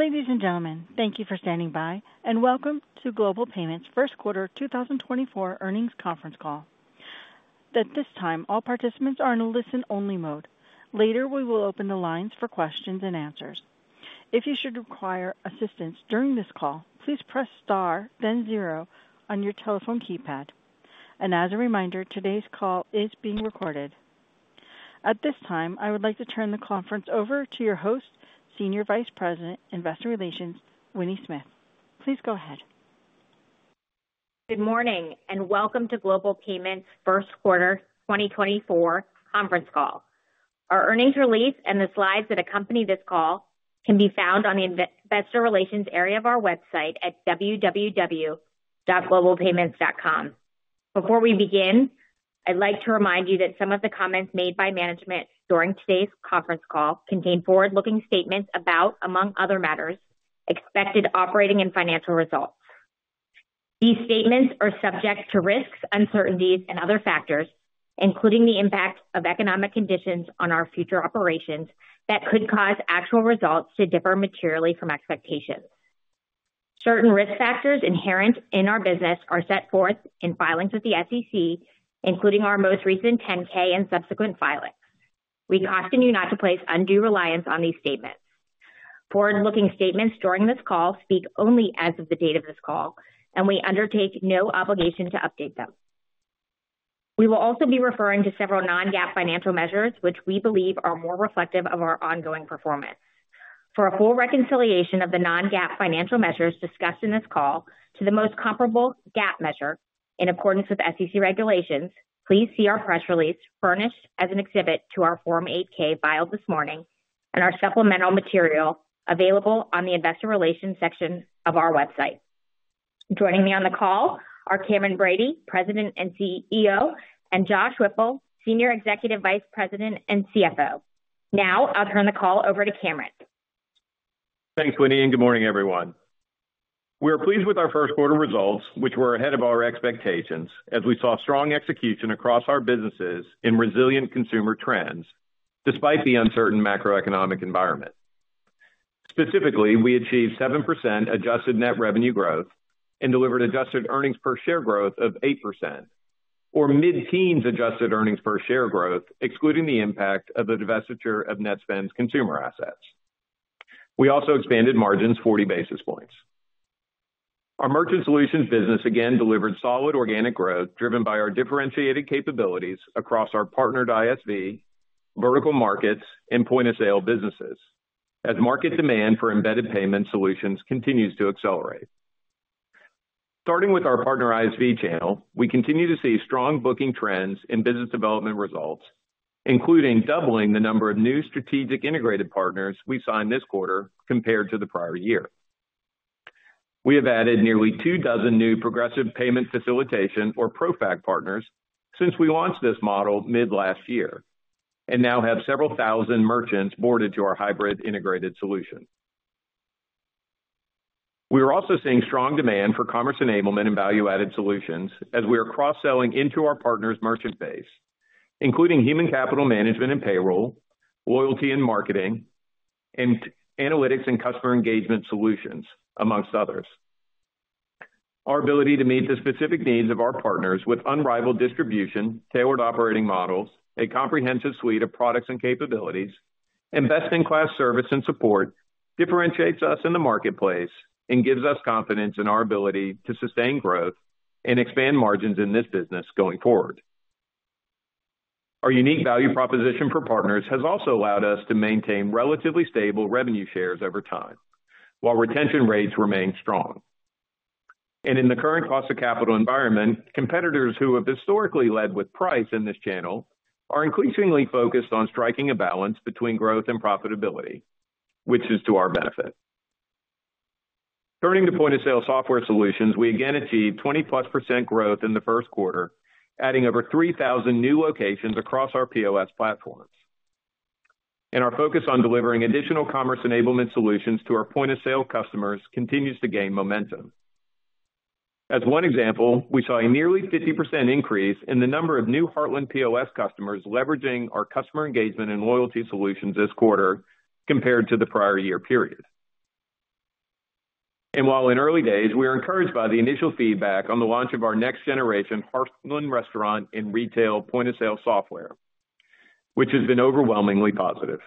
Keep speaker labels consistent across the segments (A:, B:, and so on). A: Ladies and gentlemen, thank you for standing by, and welcome to Global Payments First Quarter 2024 Earnings Conference Call. At this time, all participants are in a listen-only mode. Later, we will open the lines for questions and answers. If you should require assistance during this call, please press star, then zero, on your telephone keypad. As a reminder, today's call is being recorded. At this time, I would like to turn the conference over to your host, Senior Vice President, Investor Relations, Winnie Smith. Please go ahead.
B: Good morning, and welcome to Global Payments first quarter 2024 conference call. Our earnings release and the slides that accompany this call can be found on the Investor Relations area of our website at www.globalpayments.com. Before we begin, I'd like to remind you that some of the comments made by management during today's conference call contain forward-looking statements about, among other matters, expected operating and financial results. These statements are subject to risks, uncertainties, and other factors, including the impact of economic conditions on our future operations that could cause actual results to differ materially from expectations. Certain risk factors inherent in our business are set forth in filings with the SEC, including our most recent 10-K and subsequent filings. We caution you not to place undue reliance on these statements. Forward-looking statements during this call speak only as of the date of this call, and we undertake no obligation to update them. We will also be referring to several non-GAAP financial measures, which we believe are more reflective of our ongoing performance. For a full reconciliation of the non-GAAP financial measures discussed in this call to the most comparable GAAP measure in accordance with SEC regulations, please see our press release furnished as an exhibit to our Form 8-K filed this morning and our supplemental material available on the Investor Relations section of our website. Joining me on the call are Cameron Bready, President and CEO, and Josh Whipple, Senior Executive Vice President and CFO. Now I'll turn the call over to Cameron.
C: Thanks, Winnie, and good morning, everyone. We are pleased with our first quarter results, which were ahead of our expectations as we saw strong execution across our businesses in resilient consumer trends despite the uncertain macroeconomic environment. Specifically, we achieved 7% adjusted net revenue growth and delivered adjusted earnings per share growth of 8%, or mid-teens adjusted earnings per share growth excluding the impact of the divestiture of Netspend consumer assets. We also expanded margins 40 basis points. Our merchant solutions business again delivered solid organic growth driven by our differentiated capabilities across our partnered ISV, vertical markets, and point-of-sale businesses as market demand for embedded payment solutions continues to accelerate. Starting with our partner ISV channel, we continue to see strong booking trends in business development results, including doubling the number of new strategic integrated partners we signed this quarter compared to the prior year. We have added nearly 24 new PayFac partners since we launched this model mid-last year, and now have several thousand merchants boarded to our hybrid integrated solution. We are also seeing strong demand for commerce enablement and value-added solutions as we are cross-selling into our partners' merchant base, including human capital management and payroll, loyalty and marketing, and analytics and customer engagement solutions, among others. Our ability to meet the specific needs of our partners with unrivaled distribution-tailored operating models, a comprehensive suite of products and capabilities, and best-in-class service and support differentiates us in the marketplace and gives us confidence in our ability to sustain growth and expand margins in this business going forward. Our unique value proposition for partners has also allowed us to maintain relatively stable revenue shares over time while retention rates remain strong. In the current cost-of-capital environment, competitors who have historically led with price in this channel are increasingly focused on striking a balance between growth and profitability, which is to our benefit. Turning to point-of-sale software solutions, we again achieved 20+% growth in the first quarter, adding over 3,000 new locations across our POS platforms. Our focus on delivering additional commerce enablement solutions to our point-of-sale customers continues to gain momentum. As one example, we saw a nearly 50% increase in the number of new Heartland POS customers leveraging our customer engagement and loyalty solutions this quarter compared to the prior year period. While in early days, we are encouraged by the initial feedback on the launch of our next-generation Heartland Restaurant and Retail point-of-sale software, which has been overwhelmingly positive.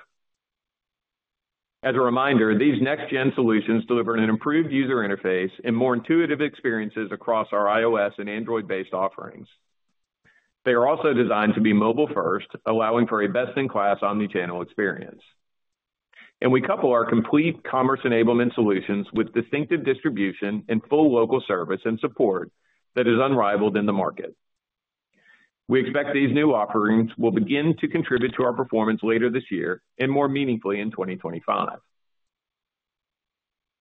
C: As a reminder, these next-gen solutions deliver an improved user interface and more intuitive experiences across our iOS and Android-based offerings. They are also designed to be mobile-first, allowing for a best-in-class omnichannel experience. We couple our complete commerce enablement solutions with distinctive distribution and full local service and support that is unrivaled in the market. We expect these new offerings will begin to contribute to our performance later this year and more meaningfully in 2025.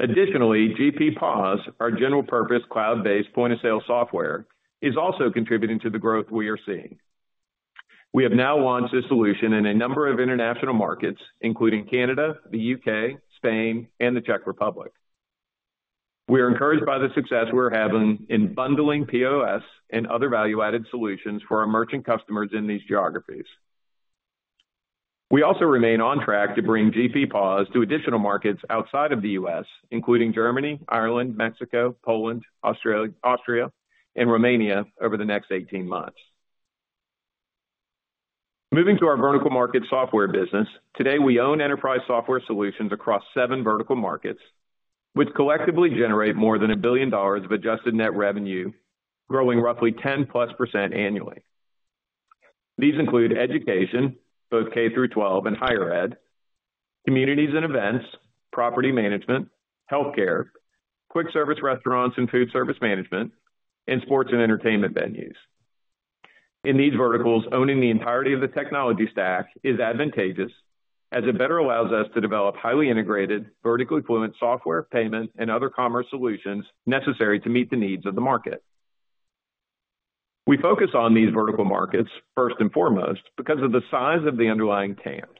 C: Additionally, GP POS, our general-purpose cloud-based point-of-sale software, is also contributing to the growth we are seeing. We have now launched this solution in a number of international markets, including Canada, the U.K., Spain, and the Czech Republic. We are encouraged by the success we are having in bundling POS and other value-added solutions for our merchant customers in these geographies. We also remain on track to bring GP POS to additional markets outside of the U.S., including Germany, Ireland, Mexico, Poland, Austria, and Romania over the next 18 months. Moving to our vertical market software business, today we own enterprise software solutions across seven vertical markets, which collectively generate more than $1 billion of adjusted net revenue, growing roughly 10%+ annually. These include education, both K-12 and higher ed, communities and events, property management, healthcare, quick service restaurants and food service management, and sports and entertainment venues. In these verticals, owning the entirety of the technology stack is advantageous as it better allows us to develop highly integrated, vertically fluent software, payment, and other commerce solutions necessary to meet the needs of the market. We focus on these vertical markets first and foremost because of the size of the underlying TAMs.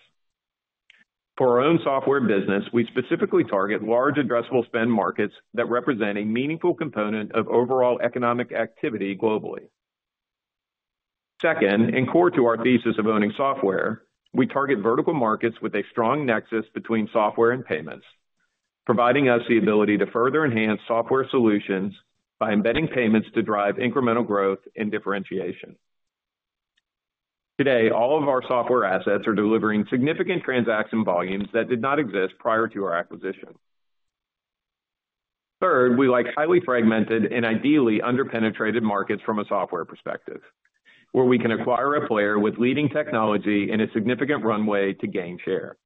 C: For our own software business, we specifically target large addressable spend markets that represent a meaningful component of overall economic activity globally. Second, in core to our thesis of owning software, we target vertical markets with a strong nexus between software and payments, providing us the ability to further enhance software solutions by embedding payments to drive incremental growth and differentiation. Today, all of our software assets are delivering significant transaction volumes that did not exist prior to our acquisition. Third, we like highly fragmented and ideally under-penetrated markets from a software perspective, where we can acquire a player with leading technology and a significant runway to gain share.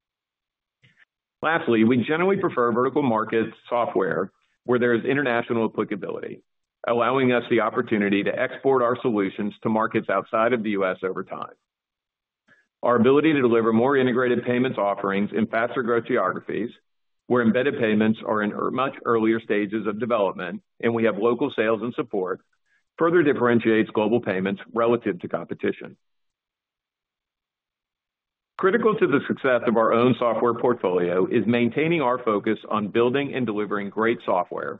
C: Lastly, we generally prefer vertical market software where there is international applicability, allowing us the opportunity to export our solutions to markets outside of the U.S. over time. Our ability to deliver more integrated payments offerings in faster growth geographies, where embedded payments are in much earlier stages of development and we have local sales and support, further differentiates Global Payments relative to competition. Critical to the success of our own software portfolio is maintaining our focus on building and delivering great software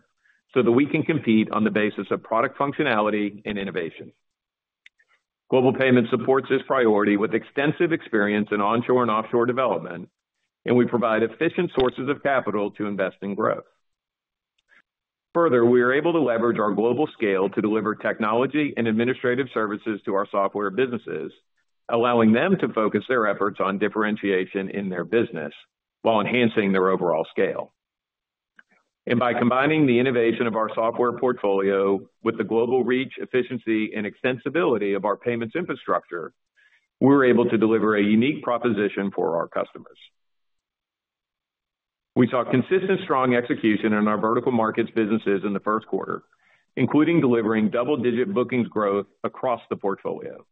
C: so that we can compete on the basis of product functionality and innovation. Global Payments supports this priority with extensive experience in onshore and offshore development, and we provide efficient sources of capital to invest in growth. Further, we are able to leverage our global scale to deliver technology and administrative services to our software businesses, allowing them to focus their efforts on differentiation in their business while enhancing their overall scale. By combining the innovation of our software portfolio with the global reach, efficiency, and extensibility of our payments infrastructure, we were able to deliver a unique proposition for our customers. We saw consistent strong execution in our vertical markets businesses in the first quarter, including delivering double-digit bookings growth across the portfolio.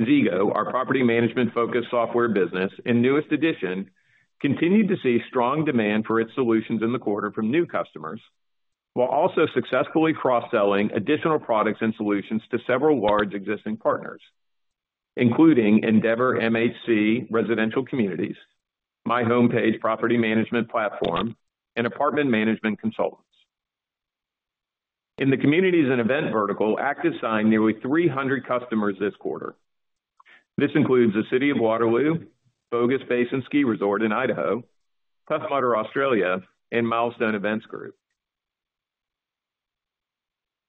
C: Zego, our property management-focused software business in newest edition, continued to see strong demand for its solutions in the quarter from new customers, while also successfully cross-selling additional products and solutions to several large existing partners, including Endeavor MHC Residential Communities, MyHomePage property management platform, and Apartment Management Consultants. In the communities and event vertical, Active signed nearly 300 customers this quarter. This includes the City of Waterloo, Bogus Basin Ski Resort in Idaho, Tough Mudder Australia, and Milestone Events Group.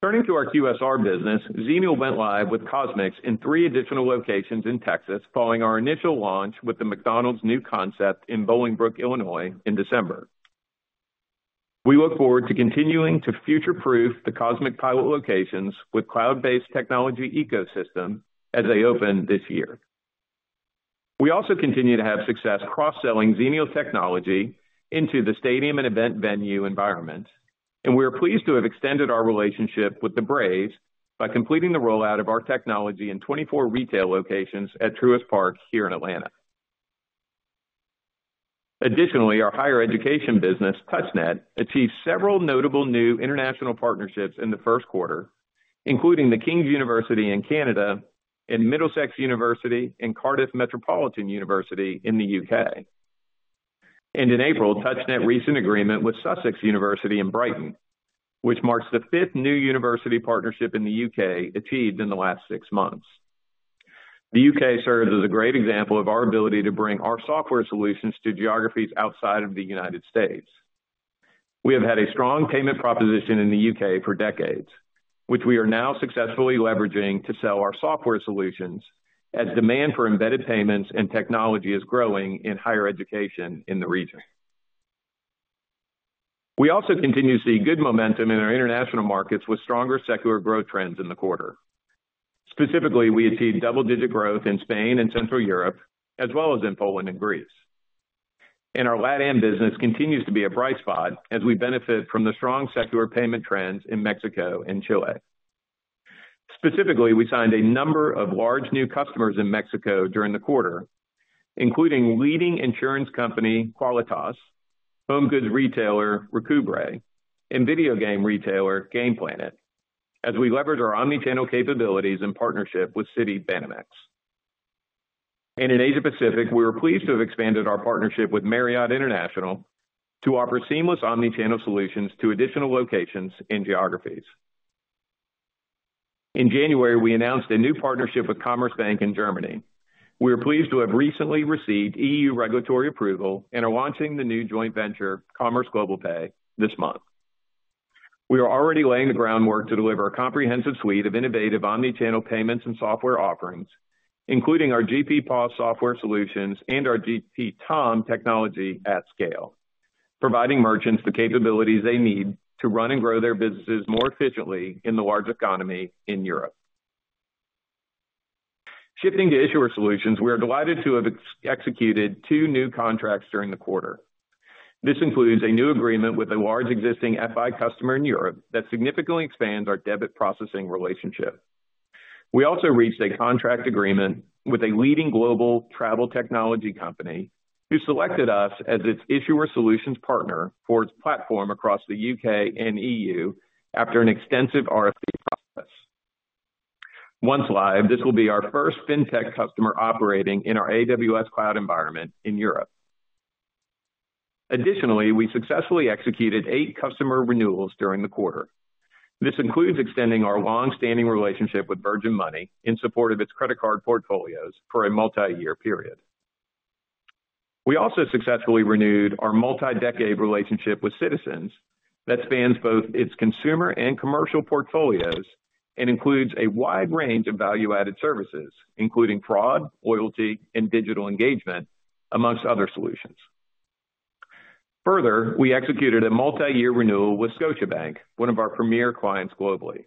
C: Turning to our QSR business, Zenial went live with CosMc's in three additional locations in Texas following our initial launch with the McDonald's new concept in Bolingbrook, Illinois, in December. We look forward to continuing to future-proof the CosMc's pilot locations with cloud-based technology ecosystem as they open this year. We also continue to have success cross-selling Zenial technology into the stadium and event venue environment, and we are pleased to have extended our relationship with the Atlanta Braves by completing the rollout of our technology in 24 retail locations at Truist Park here in Atlanta. Additionally, our higher education business, TouchNet, achieved several notable new international partnerships in the first quarter, including The King's University in Canada, Middlesex University, and Cardiff Metropolitan University in the U.K. In April, TouchNet recently agreed with Sussex University in Brighton, which marks the fifth new university partnership in the U.K. achieved in the last six months. The U.K. serves as a great example of our ability to bring our software solutions to geographies outside of the United States. We have had a strong payment proposition in the U.K. for decades, which we are now successfully leveraging to sell our software solutions as demand for embedded payments and technology is growing in higher education in the region. We also continue to see good momentum in our international markets with stronger secular growth trends in the quarter. Specifically, we achieved double-digit growth in Spain and Central Europe, as well as in Poland and Greece. Our LatAm business continues to be a bright spot as we benefit from the strong secular payment trends in Mexico and Chile. Specifically, we signed a number of large new customers in Mexico during the quarter, including leading insurance company Qualitas, home goods retailer Recubre, and video game retailer GamePlanet, as we leverage our omnichannel capabilities in partnership with Citibanamex. In Asia-Pacific, we were pleased to have expanded our partnership with Marriott International to offer seamless omnichannel solutions to additional locations and geographies. In January, we announced a new partnership with Commerzbank in Germany. We are pleased to have recently received EU regulatory approval and are launching the new joint venture Commerz Globalpay this month. We are already laying the groundwork to deliver a comprehensive suite of innovative omnichannel payments and software offerings, including our GP POS software solutions and our GP Tom technology at scale, providing merchants the capabilities they need to run and grow their businesses more efficiently in the large economy in Europe. Shifting to issuer solutions, we are delighted to have executed 2 new contracts during the quarter. This includes a new agreement with a large existing FI customer in Europe that significantly expands our debit processing relationship. We also reached a contract agreement with a leading global travel technology company who selected us as its issuer solutions partner for its platform across the UK and EU after an extensive RFP process. Once live, this will be our first fintech customer operating in our AWS cloud environment in Europe. Additionally, we successfully executed 8 customer renewals during the quarter. This includes extending our longstanding relationship with Virgin Money in support of its credit card portfolios for a multi-year period. We also successfully renewed our multi-decade relationship with Citizens that spans both its consumer and commercial portfolios and includes a wide range of value-added services, including fraud, loyalty, and digital engagement, among other solutions. Further, we executed a multi-year renewal with Scotiabank, one of our premier clients globally.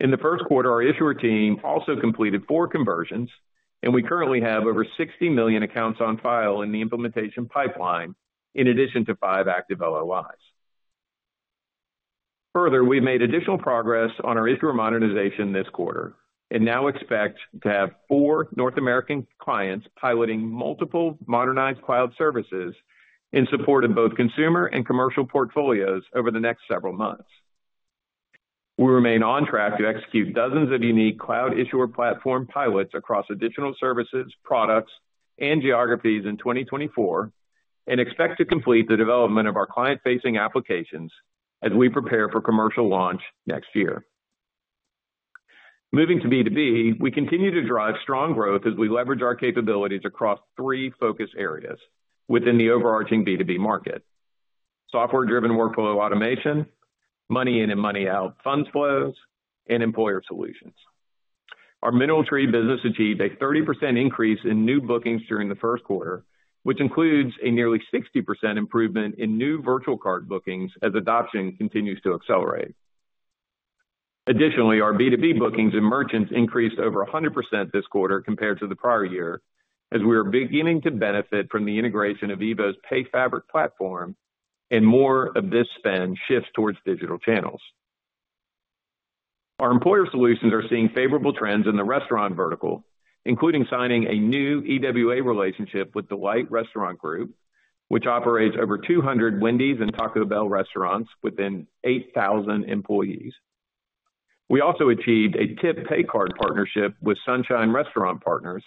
C: In the first quarter, our issuer team also completed four conversions, and we currently have over 60 million accounts on file in the implementation pipeline, in addition to five active LOIs. Further, we've made additional progress on our issuer modernization this quarter and now expect to have four North American clients piloting multiple modernized cloud services in support of both consumer and commercial portfolios over the next several months. We remain on track to execute dozens of unique cloud issuer platform pilots across additional services, products, and geographies in 2024 and expect to complete the development of our client-facing applications as we prepare for commercial launch next year. Moving to B2B, we continue to drive strong growth as we leverage our capabilities across three focus areas within the overarching B2B market: software-driven workflow automation, money-in and money-out funds flows, and employer solutions. Our MineralTree business achieved a 30% increase in new bookings during the first quarter, which includes a nearly 60% improvement in new virtual card bookings as adoption continues to accelerate. Additionally, our B2B bookings and merchants increased over 100% this quarter compared to the prior year as we are beginning to benefit from the integration of EVO's PayFabric platform and more of this spend shifts towards digital channels. Our Employer Solutions are seeing favorable trends in the restaurant vertical, including signing a new EWA relationship with Delight Restaurant Group, which operates over 200 Wendy's and Taco Bell restaurants with 8,000 employees. We also achieved a tip pay card partnership with Sunshine Restaurant Partners,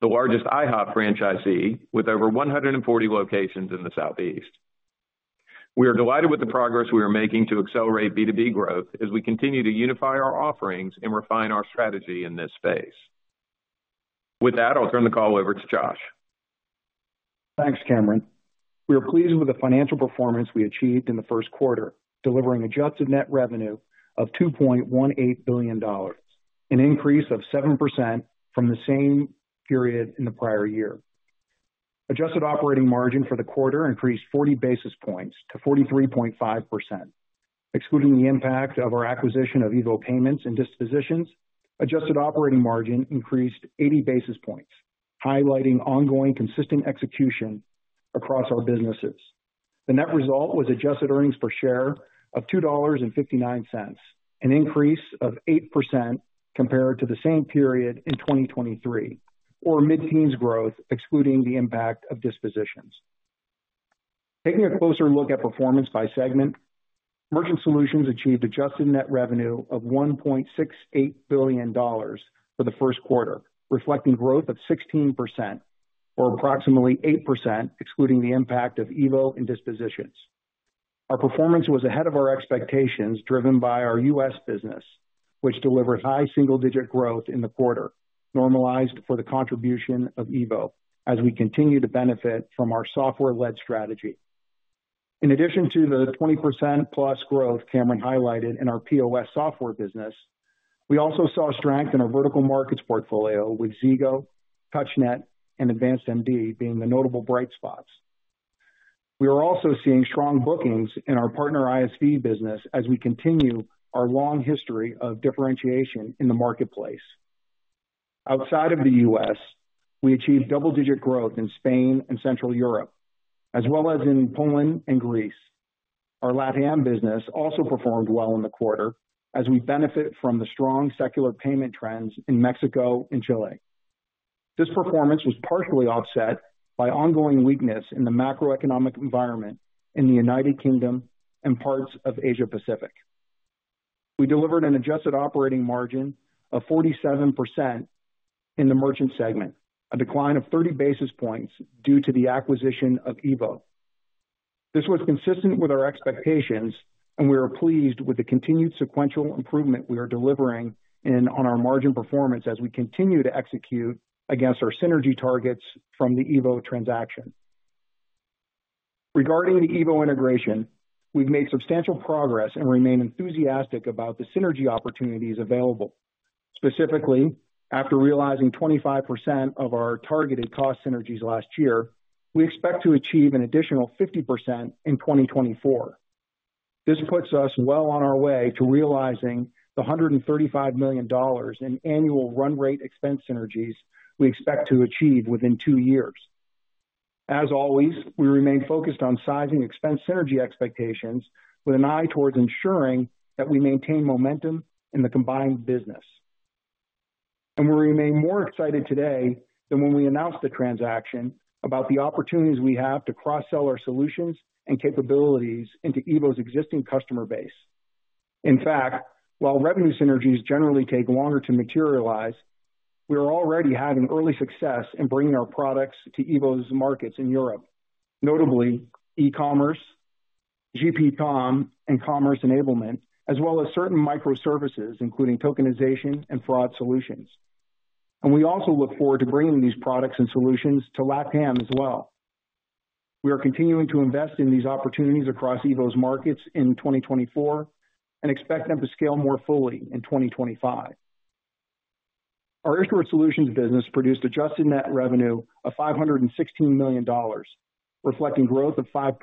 C: the largest IHOP franchisee with over 140 locations in the Southeast. We are delighted with the progress we are making to accelerate B2B growth as we continue to unify our offerings and refine our strategy in this space. With that, I'll turn the call over to Josh.
D: Thanks, Cameron. We are pleased with the financial performance we achieved in the first quarter, delivering adjusted net revenue of $2.18 billion, an increase of 7% from the same period in the prior year. Adjusted operating margin for the quarter increased 40 basis points to 43.5%. Excluding the impact of our acquisition of EVO Payments and dispositions, adjusted operating margin increased 80 basis points, highlighting ongoing consistent execution across our businesses. The net result was adjusted earnings per share of $2.59, an increase of 8% compared to the same period in 2023, or mid-teens growth excluding the impact of dispositions. Taking a closer look at performance by segment, merchant solutions achieved adjusted net revenue of $1.68 billion for the first quarter, reflecting growth of 16%, or approximately 8% excluding the impact of EVO and dispositions. Our performance was ahead of our expectations driven by our U.S. business, which delivered high single-digit growth in the quarter, normalized for the contribution of EVO as we continue to benefit from our software-led strategy. In addition to the 20%+ growth Cameron highlighted in our POS software business, we also saw strength in our vertical markets portfolio with Zego, TouchNet, and AdvancedMD being the notable bright spots. We are also seeing strong bookings in our partner ISV business as we continue our long history of differentiation in the marketplace. Outside of the U.S., we achieved double-digit growth in Spain and Central Europe, as well as in Poland and Greece. Our LatAm business also performed well in the quarter as we benefit from the strong secular payment trends in Mexico and Chile. This performance was partially offset by ongoing weakness in the macroeconomic environment in the United Kingdom and parts of Asia-Pacific. We delivered an adjusted operating margin of 47% in the merchant segment, a decline of thirty basis points due to the acquisition of EVO. This was consistent with our expectations, and we are pleased with the continued sequential improvement we are delivering in our margin performance as we continue to execute against our synergy targets from the EVO transaction. Regarding the EVO integration, we've made substantial progress and remain enthusiastic about the synergy opportunities available. Specifically, after realizing 25% of our targeted cost synergies last year, we expect to achieve an additional 50% in 2024. This puts us well on our way to realizing the $135 million in annual run rate expense synergies we expect to achieve within two years. As always, we remain focused on sizing expense synergy expectations with an eye towards ensuring that we maintain momentum in the combined business. And we remain more excited today than when we announced the transaction about the opportunities we have to cross-sell our solutions and capabilities into EVO's existing customer base. In fact, while revenue synergies generally take longer to materialize, we are already having early success in bringing our products to EVO's markets in Europe, notably e-commerce, GP Tom, and commerce enablement, as well as certain microservices including tokenization and fraud solutions. We also look forward to bringing these products and solutions to LatAm as well. We are continuing to invest in these opportunities across EVO's markets in 2024 and expect them to scale more fully in 2025. Our issuer solutions business produced adjusted net revenue of $516 million, reflecting growth of 5%.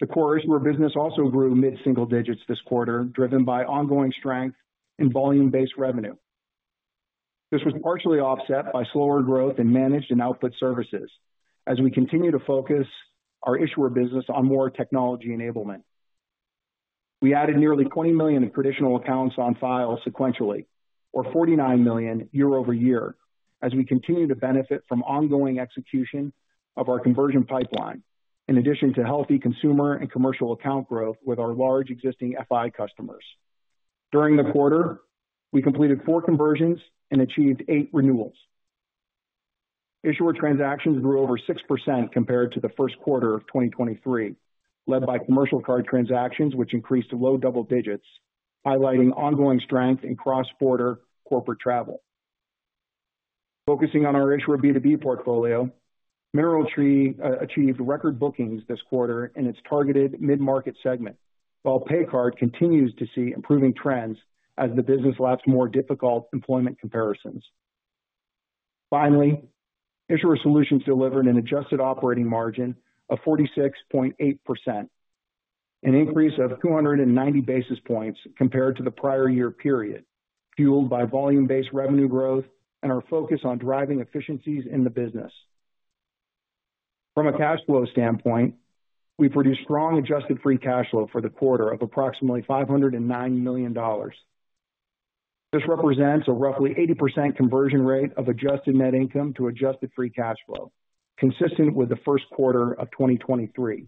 D: The core issuer business also grew mid-single digits this quarter, driven by ongoing strength in volume-based revenue. This was partially offset by slower growth in managed and output services as we continue to focus our issuer business on more technology enablement. We added nearly 20 million traditional accounts on file sequentially, or 49 million year-over-year, as we continue to benefit from ongoing execution of our conversion pipeline, in addition to healthy consumer and commercial account growth with our large existing FI customers. During the quarter, we completed four conversions and achieved eight renewals. Issuer transactions grew over 6% compared to the first quarter of 2023, led by commercial card transactions which increased to low double digits, highlighting ongoing strength in cross-border corporate travel. Focusing on our issuer B2B portfolio, MineralTree achieved record bookings this quarter in its targeted mid-market segment, while PayCard continues to see improving trends as the business laps more difficult employment comparisons. Finally, issuer solutions delivered an adjusted operating margin of 46.8%, an increase of 290 basis points compared to the prior year period, fueled by volume-based revenue growth and our focus on driving efficiencies in the business. From a cash flow standpoint, we produce strong adjusted free cash flow for the quarter of approximately $509 million. This represents a roughly 80% conversion rate of adjusted net income to adjusted free cash flow, consistent with the first quarter of 2023.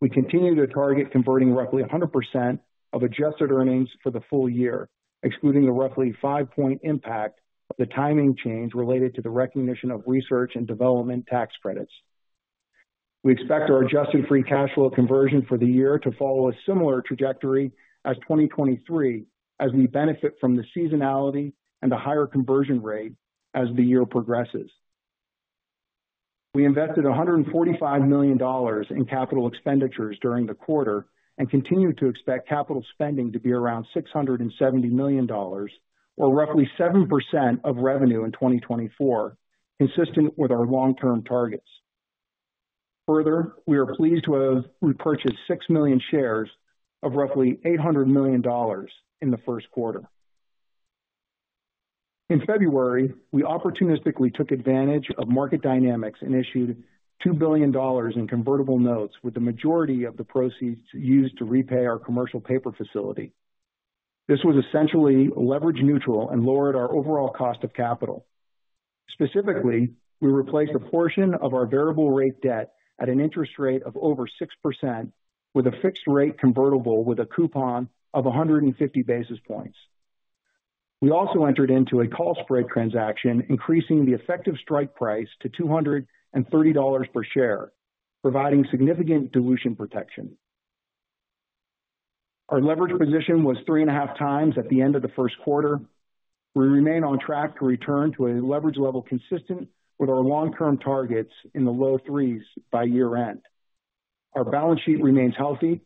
D: We continue to target converting roughly 100% of adjusted earnings for the full year, excluding the roughly five-point impact of the timing change related to the recognition of research and development tax credits. We expect our adjusted free cash flow conversion for the year to follow a similar trajectory as 2023, as we benefit from the seasonality and the higher conversion rate as the year progresses. We invested $145 million in capital expenditures during the quarter and continue to expect capital spending to be around $670 million, or roughly 7% of revenue in 2024, consistent with our long-term targets. Further, we are pleased to have repurchased 6 million shares of roughly $800 million in the first quarter. In February, we opportunistically took advantage of market dynamics and issued $2 billion in convertible notes with the majority of the proceeds used to repay our commercial paper facility. This was essentially leverage neutral and lowered our overall cost of capital. Specifically, we replaced a portion of our variable rate debt at an interest rate of over 6% with a fixed rate convertible with a coupon of 150 basis points. We also entered into a call spread transaction, increasing the effective strike price to $230 per share, providing significant dilution protection. Our leverage position was 3.5 times at the end of the first quarter. We remain on track to return to a leverage level consistent with our long-term targets in the low threes by year-end. Our balance sheet remains healthy,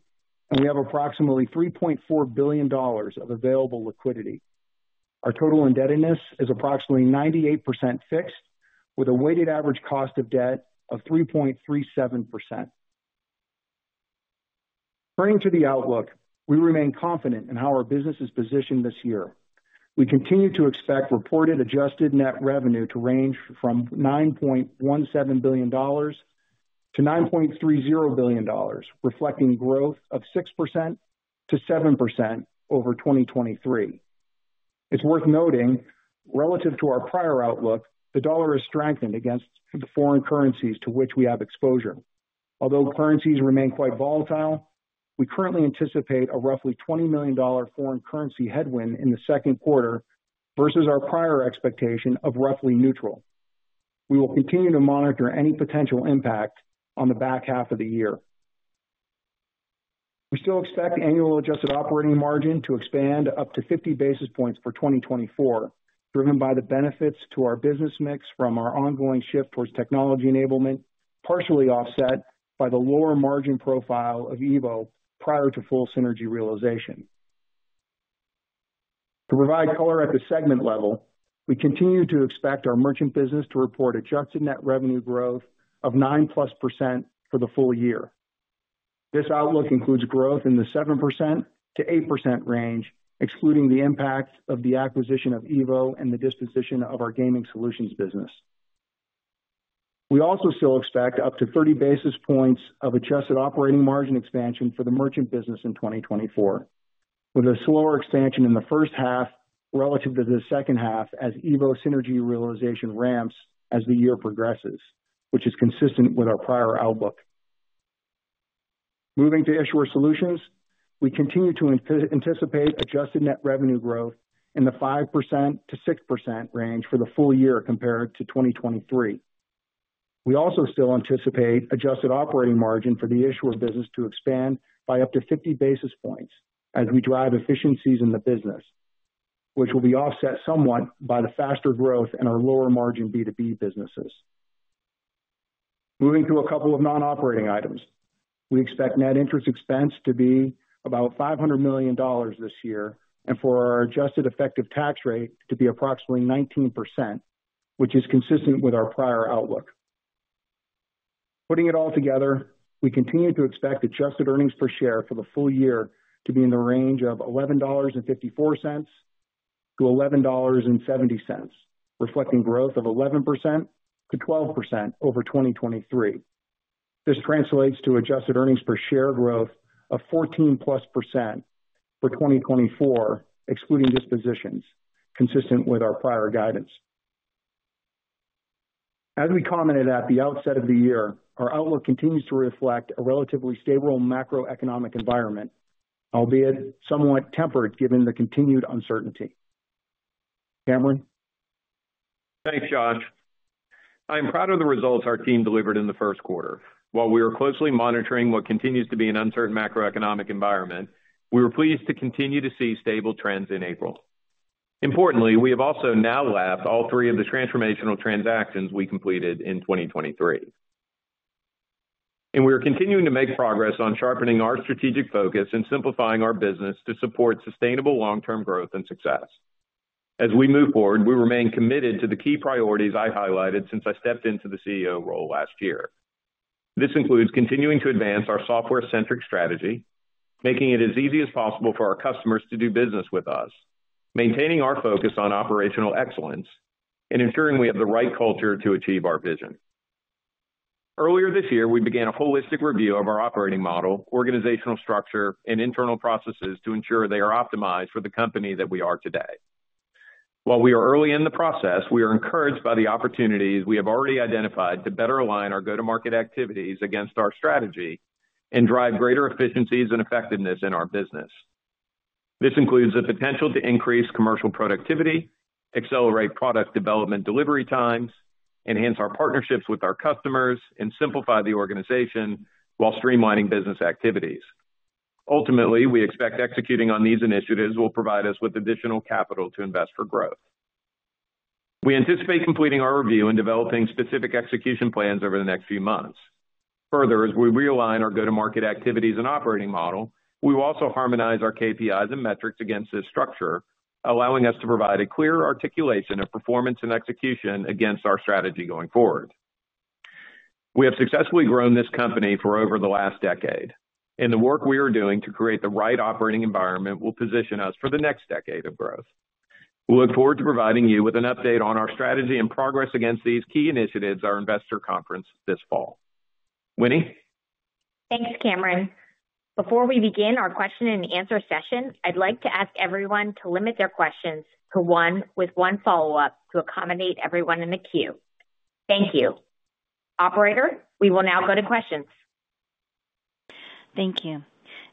D: and we have approximately $3.4 billion of available liquidity. Our total indebtedness is approximately 98% fixed, with a weighted average cost of debt of 3.37%. Turning to the outlook, we remain confident in how our business is positioned this year. We continue to expect reported adjusted net revenue to range from $9.17 billion to $9.30 billion, reflecting growth of 6% to 7% over 2023. It's worth noting, relative to our prior outlook, the dollar is strengthened against the foreign currencies to which we have exposure. Although currencies remain quite volatile, we currently anticipate a roughly $20 million foreign currency headwind in the second quarter versus our prior expectation of roughly neutral. We will continue to monitor any potential impact on the back half of the year. We still expect annual adjusted operating margin to expand up to 50 basis points for 2024, driven by the benefits to our business mix from our ongoing shift towards technology enablement, partially offset by the lower margin profile of EVO prior to full synergy realization. To provide color at the segment level, we continue to expect our merchant business to report adjusted net revenue growth of 9%+ for the full year. This outlook includes growth in the 7% to 8% range, excluding the impact of the acquisition of EVO and the disposition of our gaming solutions business. We also still expect up to 30 basis points of adjusted operating margin expansion for the merchant business in 2024, with a slower expansion in the first half relative to the second half as EVO synergy realization ramps as the year progresses, which is consistent with our prior outlook. Moving to issuer solutions, we continue to anticipate adjusted net revenue growth in the 5%-6% range for the full year compared to 2023. We also still anticipate adjusted operating margin for the issuer business to expand by up to 50 basis points as we drive efficiencies in the business, which will be offset somewhat by the faster growth in our lower margin B2B businesses. Moving to a couple of non-operating items, we expect net interest expense to be about $500 million this year, and for our adjusted effective tax rate to be approximately 19%, which is consistent with our prior outlook. Putting it all together, we continue to expect adjusted earnings per share for the full year to be in the range of $11.54 to $11.70, reflecting growth of 11% to 12% over 2023. This translates to adjusted earnings per share growth of 14%+ for 2024, excluding dispositions, consistent with our prior guidance. As we commented at the outset of the year, our outlook continues to reflect a relatively stable macroeconomic environment, albeit somewhat tempered given the continued uncertainty. Cameron.
C: Thanks, Josh. I am proud of the results our team delivered in the first quarter. While we are closely monitoring what continues to be an uncertain macroeconomic environment, we are pleased to continue to see stable trends in April. Importantly, we have also now lapped all 3 of the transformational transactions we completed in 2023. We are continuing to make progress on sharpening our strategic focus and simplifying our business to support sustainable long-term growth and success. As we move forward, we remain committed to the key priorities I highlighted since I stepped into the CEO role last year. This includes continuing to advance our software-centric strategy, making it as easy as possible for our customers to do business with us, maintaining our focus on operational excellence, and ensuring we have the right culture to achieve our vision. Earlier this year, we began a holistic review of our operating model, organizational structure, and internal processes to ensure they are optimized for the company that we are today. While we are early in the process, we are encouraged by the opportunities we have already identified to better align our go-to-market activities against our strategy and drive greater efficiencies and effectiveness in our business. This includes the potential to increase commercial productivity, accelerate product development delivery times, enhance our partnerships with our customers, and simplify the organization while streamlining business activities. Ultimately, we expect executing on these initiatives will provide us with additional capital to invest for growth. We anticipate completing our review and developing specific execution plans over the next few months. Further, as we realign our go-to-market activities and operating model, we will also harmonize our KPIs and metrics against this structure, allowing us to provide a clearer articulation of performance and execution against our strategy going forward. We have successfully grown this company for over the last decade, and the work we are doing to create the right operating environment will position us for the next decade of growth. We look forward to providing you with an update on our strategy and progress against these key initiatives at our investor conference this fall. Winnie.
B: Thanks, Cameron. Before we begin our question and answer session, I'd like to ask everyone to limit their questions to one with one follow-up to accommodate everyone in the queue. Thank you. Operator, we will now go to questions.
A: Thank you.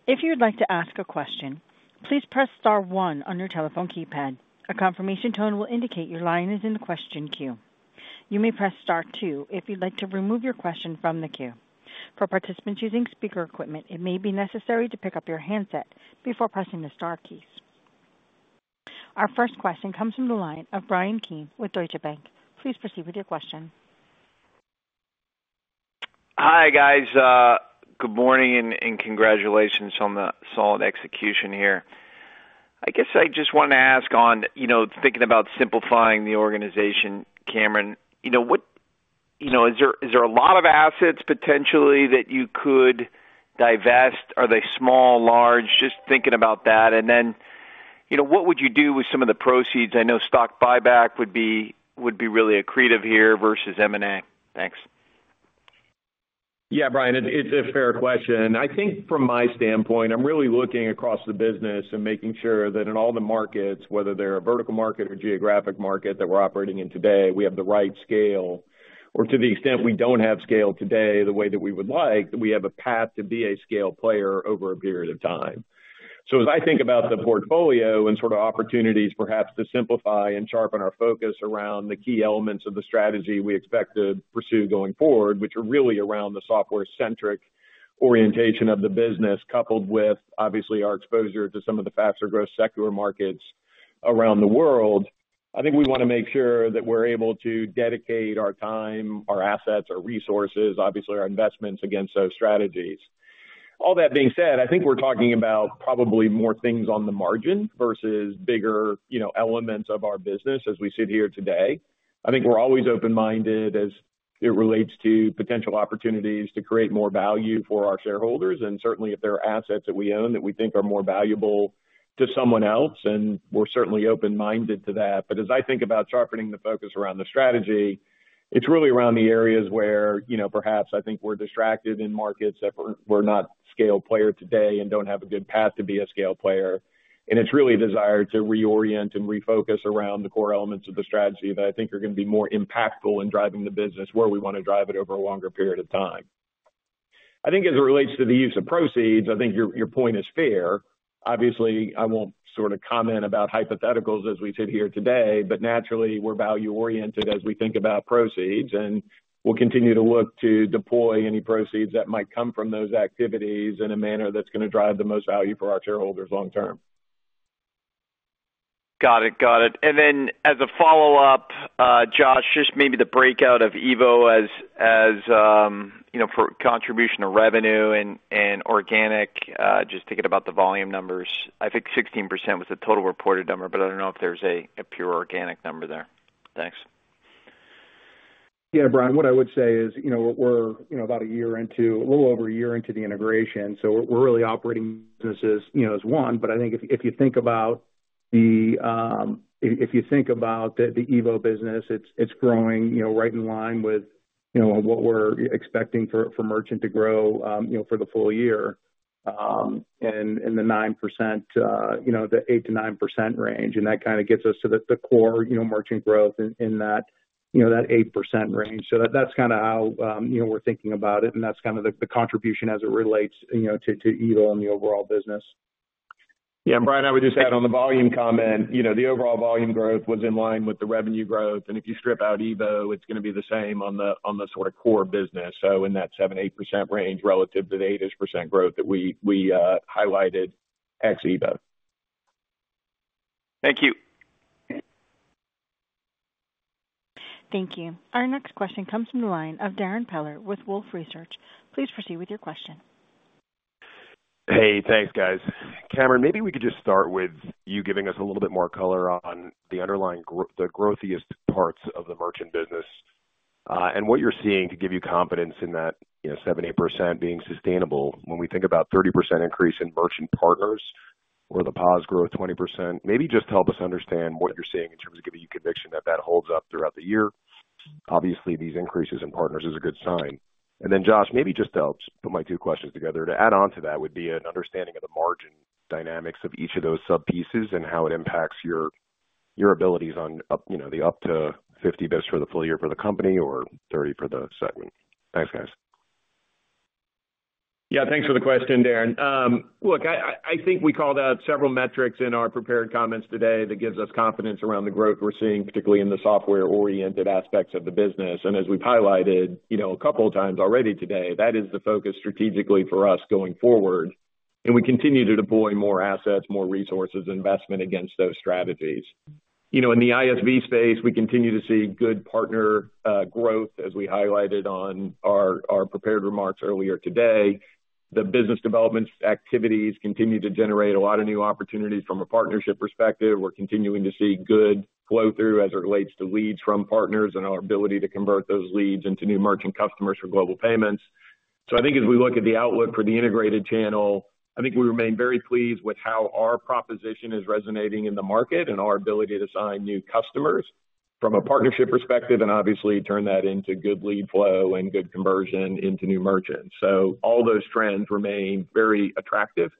A: If you would like to ask a question, please press star one on your telephone keypad. A confirmation tone will indicate your line is in the question queue. You may press star two if you'd like to remove your question from the queue. For participants using speaker equipment, it may be necessary to pick up your handset before pressing the star keys. Our first question comes from the line of Bryan Keane with Deutsche Bank. Please proceed with your question.
E: Hi, guys. Good morning and congratulations on the solid execution here. I guess I just wanted to ask on, you know, thinking about simplifying the organization, Cameron. You know, what, you know, is there a lot of assets potentially that you could divest? Are they small, large? Just thinking about that. And then, you know, what would you do with some of the proceeds? I know stock buyback would be, would be really accretive here versus M&A. Thanks.
C: Yeah, Brian. It's, it's a fair question. I think from my standpoint, I'm really looking across the business and making sure that in all the markets, whether they're a vertical market or geographic market that we're operating in today, we have the right scale. Or to the extent we don't have scale today the way that we would like, that we have a path to be a scale player over a period of time. So as I think about the portfolio and sort of opportunities perhaps to simplify and sharpen our focus around the key elements of the strategy we expect to pursue going forward, which are really around the software-centric orientation of the business coupled with, obviously, our exposure to some of the faster growth secular markets around the world, I think we want to make sure that we're able to dedicate our time, our assets, our resources, obviously our investments against those strategies. All that being said, I think we're talking about probably more things on the margin versus bigger, you know, elements of our business as we sit here today. I think we're always open-minded as it relates to potential opportunities to create more value for our shareholders. And certainly, if there are assets that we own that we think are more valuable to someone else, and we're certainly open-minded to that. But as I think about sharpening the focus around the strategy, it's really around the areas where, you know, perhaps I think we're distracted in markets that we're not a scale player today and don't have a good path to be a scale player. And it's really a desire to reorient and refocus around the core elements of the strategy that I think are going to be more impactful in driving the business where we want to drive it over a longer period of time. I think as it relates to the use of proceeds, I think your, your point is fair. Obviously, I won't sort of comment about hypotheticals as we sit here today, but naturally, we're value-oriented as we think about proceeds. And we'll continue to look to deploy any proceeds that might come from those activities in a manner that's going to drive the most value for our shareholders long-term.
E: Got it. Got it. And then as a follow-up, Josh, just maybe the breakout of EVO as, as, you know, for contribution to revenue and, and organic, just thinking about the volume numbers. I think 16% was the total reported number, but I don't know if there's a, a pure organic number there.
D: Thanks. Yeah, Bryan. What I would say is, you know, we're, we're, you know, about a year into, a little over a year into the integration. So we're, we're really operating businesses, you know, as one. But I think if you think about the EVO business, it's growing, you know, right in line with, you know, what we're expecting for merchant to grow, you know, for the full year. And the 9%, you know, the 8% to 9% range. And that kind of gets us to the core, you know, merchant growth in that, you know, that 8% range. So that's kind of how, you know, we're thinking about it. And that's kind of the contribution as it relates, you know, to EVO and the overall business.
C: Yeah, Bryan. I would just add on the volume comment. You know, the overall volume growth was in line with the revenue growth. If you strip out EVO, it's going to be the same on the, on the sort of core business. So in that 7% to 8% range relative to the 8ish% growth that we highlighted ex-EVO.
A: Thank you. Our next question comes from the line of Darrin Peller with Wolfe Research. Please proceed with your question.
F: Hey, thanks, guys. Cameron, maybe we could just start with you giving us a little bit more color on the underlying growth, the growthiest parts of the merchant business, and what you're seeing to give you confidence in that, you know, 7% to 8% being sustainable. When we think about 30% increase in merchant partners or the POS growth 20%, maybe just help us understand what you're seeing in terms of giving you conviction that that holds up throughout the year. Obviously, these increases in partners is a good sign. And then, Josh, maybe just to help put my two questions together, to add on to that would be an understanding of the margin dynamics of each of those subpieces and how it impacts your, your abilities on up, you know, the up to 50 basis points for the full year for the company or 30 basis points for the segment. Thanks, guys.
C: Yeah, thanks for the question, Darrin. Look, I, I, I think we called out several metrics in our prepared comments today that gives us confidence around the growth we're seeing, particularly in the software-oriented aspects of the business. And as we've highlighted, you know, a couple of times already today, that is the focus strategically for us going forward. And we continue to deploy more assets, more resources, investment against those strategies. You know, in the ISV space, we continue to see good partner growth as we highlighted on our prepared remarks earlier today. The business development activities continue to generate a lot of new opportunities from a partnership perspective. We're continuing to see good flow-through as it relates to leads from partners and our ability to convert those leads into new merchant customers for Global Payments. So I think as we look at the outlook for the integrated channel, I think we remain very pleased with how our proposition is resonating in the market and our ability to sign new customers from a partnership perspective and obviously turn that into good lead flow and good conversion into new merchants. So all those trends remain very attractive,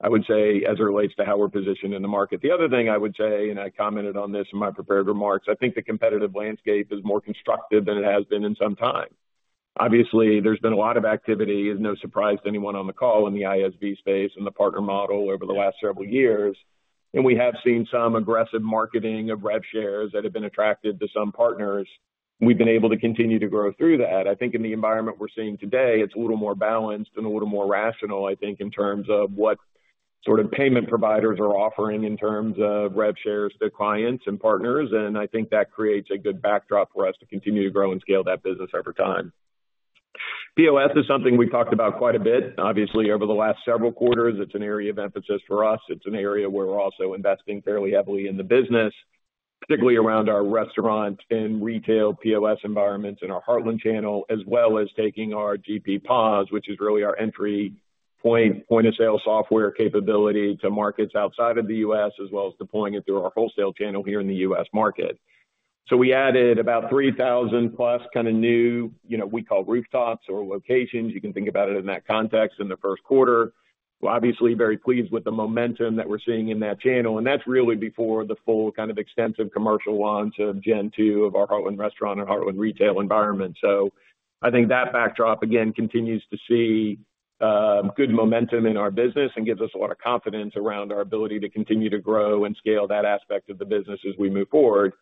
C: I would say, as it relates to how we're positioned in the market. The other thing I would say, and I commented on this in my prepared remarks, I think the competitive landscape is more constructive than it has been in some time. Obviously, there's been a lot of activity, is no surprise to anyone on the call, in the ISV space and the partner model over the last several years. And we have seen some aggressive marketing of rev shares that have been attracted to some partners. We've been able to continue to grow through that. I think in the environment we're seeing today, it's a little more balanced and a little more rational, I think, in terms of what sort of payment providers are offering in terms of rev shares to clients and partners. And I think that creates a good backdrop for us to continue to grow and scale that business over time. POS is something we've talked about quite a bit. Obviously, over the last several quarters, it's an area of emphasis for us. It's an area where we're also investing fairly heavily in the business, particularly around our restaurant and retail POS environments in our Heartland channel, as well as taking our GP POS, which is really our entry point, point of sale software capability to markets outside of the U.S. as well as deploying it through our wholesale channel here in the U.S. market. So we added about 3,000 plus kind of new, you know, we call rooftops or locations. You can think about it in that context in the first quarter. Obviously, very pleased with the momentum that we're seeing in that channel. And that's really before the full kind of extensive commercial launch of Gen 2 of our Heartland Restaurant and Heartland Retail environment. So I think that backdrop, again, continues to see good momentum in our business and gives us a lot of confidence around our ability to continue to grow and scale that aspect of the business as we move forward,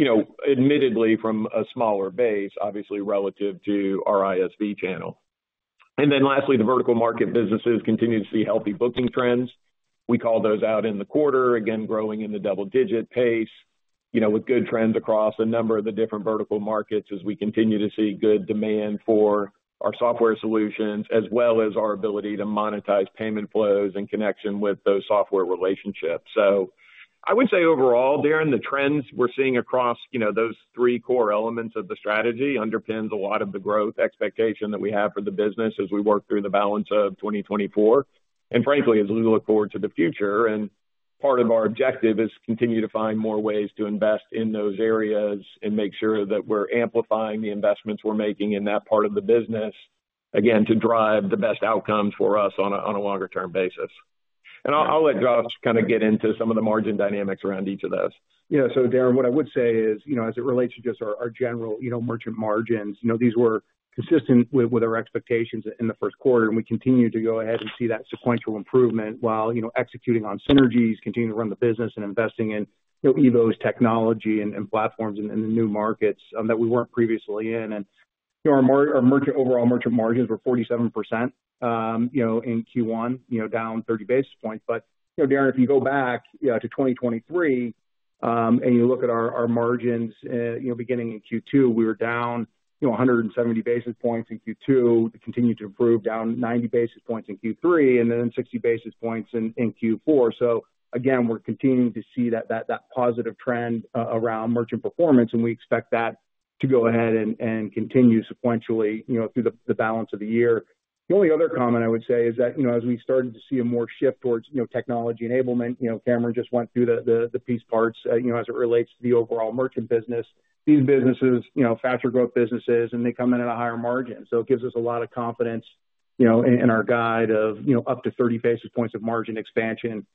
C: you know, admittedly from a smaller base, obviously relative to our ISV channel. And then lastly, the vertical market businesses continue to see healthy booking trends. We call those out in the quarter, again, growing in the double-digit pace, you know, with good trends across a number of the different vertical markets as we continue to see good demand for our software solutions as well as our ability to monetize payment flows in connection with those software relationships. So I would say overall, Darrin, the trends we're seeing across, you know, those three core elements of the strategy underpins a lot of the growth expectation that we have for the business as we work through the balance of 2024. And frankly, as we look forward to the future, and part of our objective is to continue to find more ways to invest in those areas and make sure that we're amplifying the investments we're making in that part of the business, again, to drive the best outcomes for us on a, on a longer-term basis. And I'll, I'll let Josh kind of get into some of the margin dynamics around each of those.
D: Yeah, so Darrin, what I would say is, you know, as it relates to just our general, you know, merchant margins, you know, these were consistent with our expectations in the first quarter. We continue to see that sequential improvement while, you know, executing on synergies, continuing to run the business and investing in, you know, EVO's technology and platforms in the new markets that we weren't previously in. And, you know, our merchant overall merchant margins were 47% in Q1, you know, down 30 basis points. But, you know, Darrin, if you go back, you know, to 2023, and you look at our margins, you know, beginning in Q2, we were down, you know, 170 basis points in Q2. It continued to improve, down 90 basis points in Q3 and then 60 basis points in Q4. So again, we're continuing to see that positive trend around merchant performance. And we expect that to go ahead and continue sequentially, you know, through the balance of the year. The only other comment I would say is that, you know, as we started to see a more shift towards, you know, technology enablement, you know, Cameron just went through the piece parts, you know, as it relates to the overall merchant business. These businesses, you know, faster growth businesses, and they come in at a higher margin. So it gives us a lot of confidence, you know, in our guide of, you know, up to 30 basis points of margin expansion,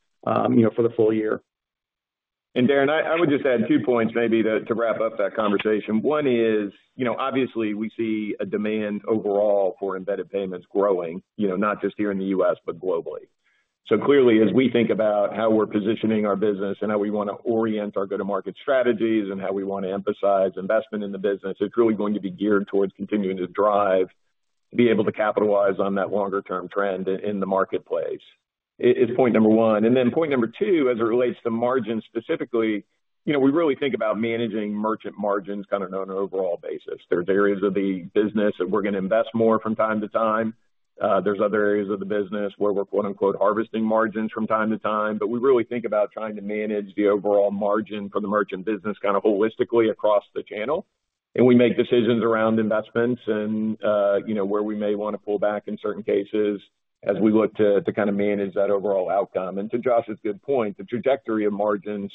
D: you know, for the full year.
C: And Darrin, I would just add two points maybe to wrap up that conversation. One is, you know, obviously, we see a demand overall for embedded payments growing, you know, not just here in the U.S. but globally. So clearly, as we think about how we're positioning our business and how we want to orient our go-to-market strategies and how we want to emphasize investment in the business, it's really going to be geared towards continuing to drive, to be able to capitalize on that longer-term trend in the marketplace. Is point number one. And then point number two, as it relates to margins specifically, you know, we really think about managing merchant margins kind of on an overall basis. There's areas of the business that we're going to invest more from time to time. There's other areas of the business where we're quote-unquote harvesting margins from time to time. But we really think about trying to manage the overall margin for the merchant business kind of holistically across the channel. And we make decisions around investments and, you know, where we may want to pull back in certain cases as we look to kind of manage that overall outcome. And to Josh's good point, the trajectory of margins,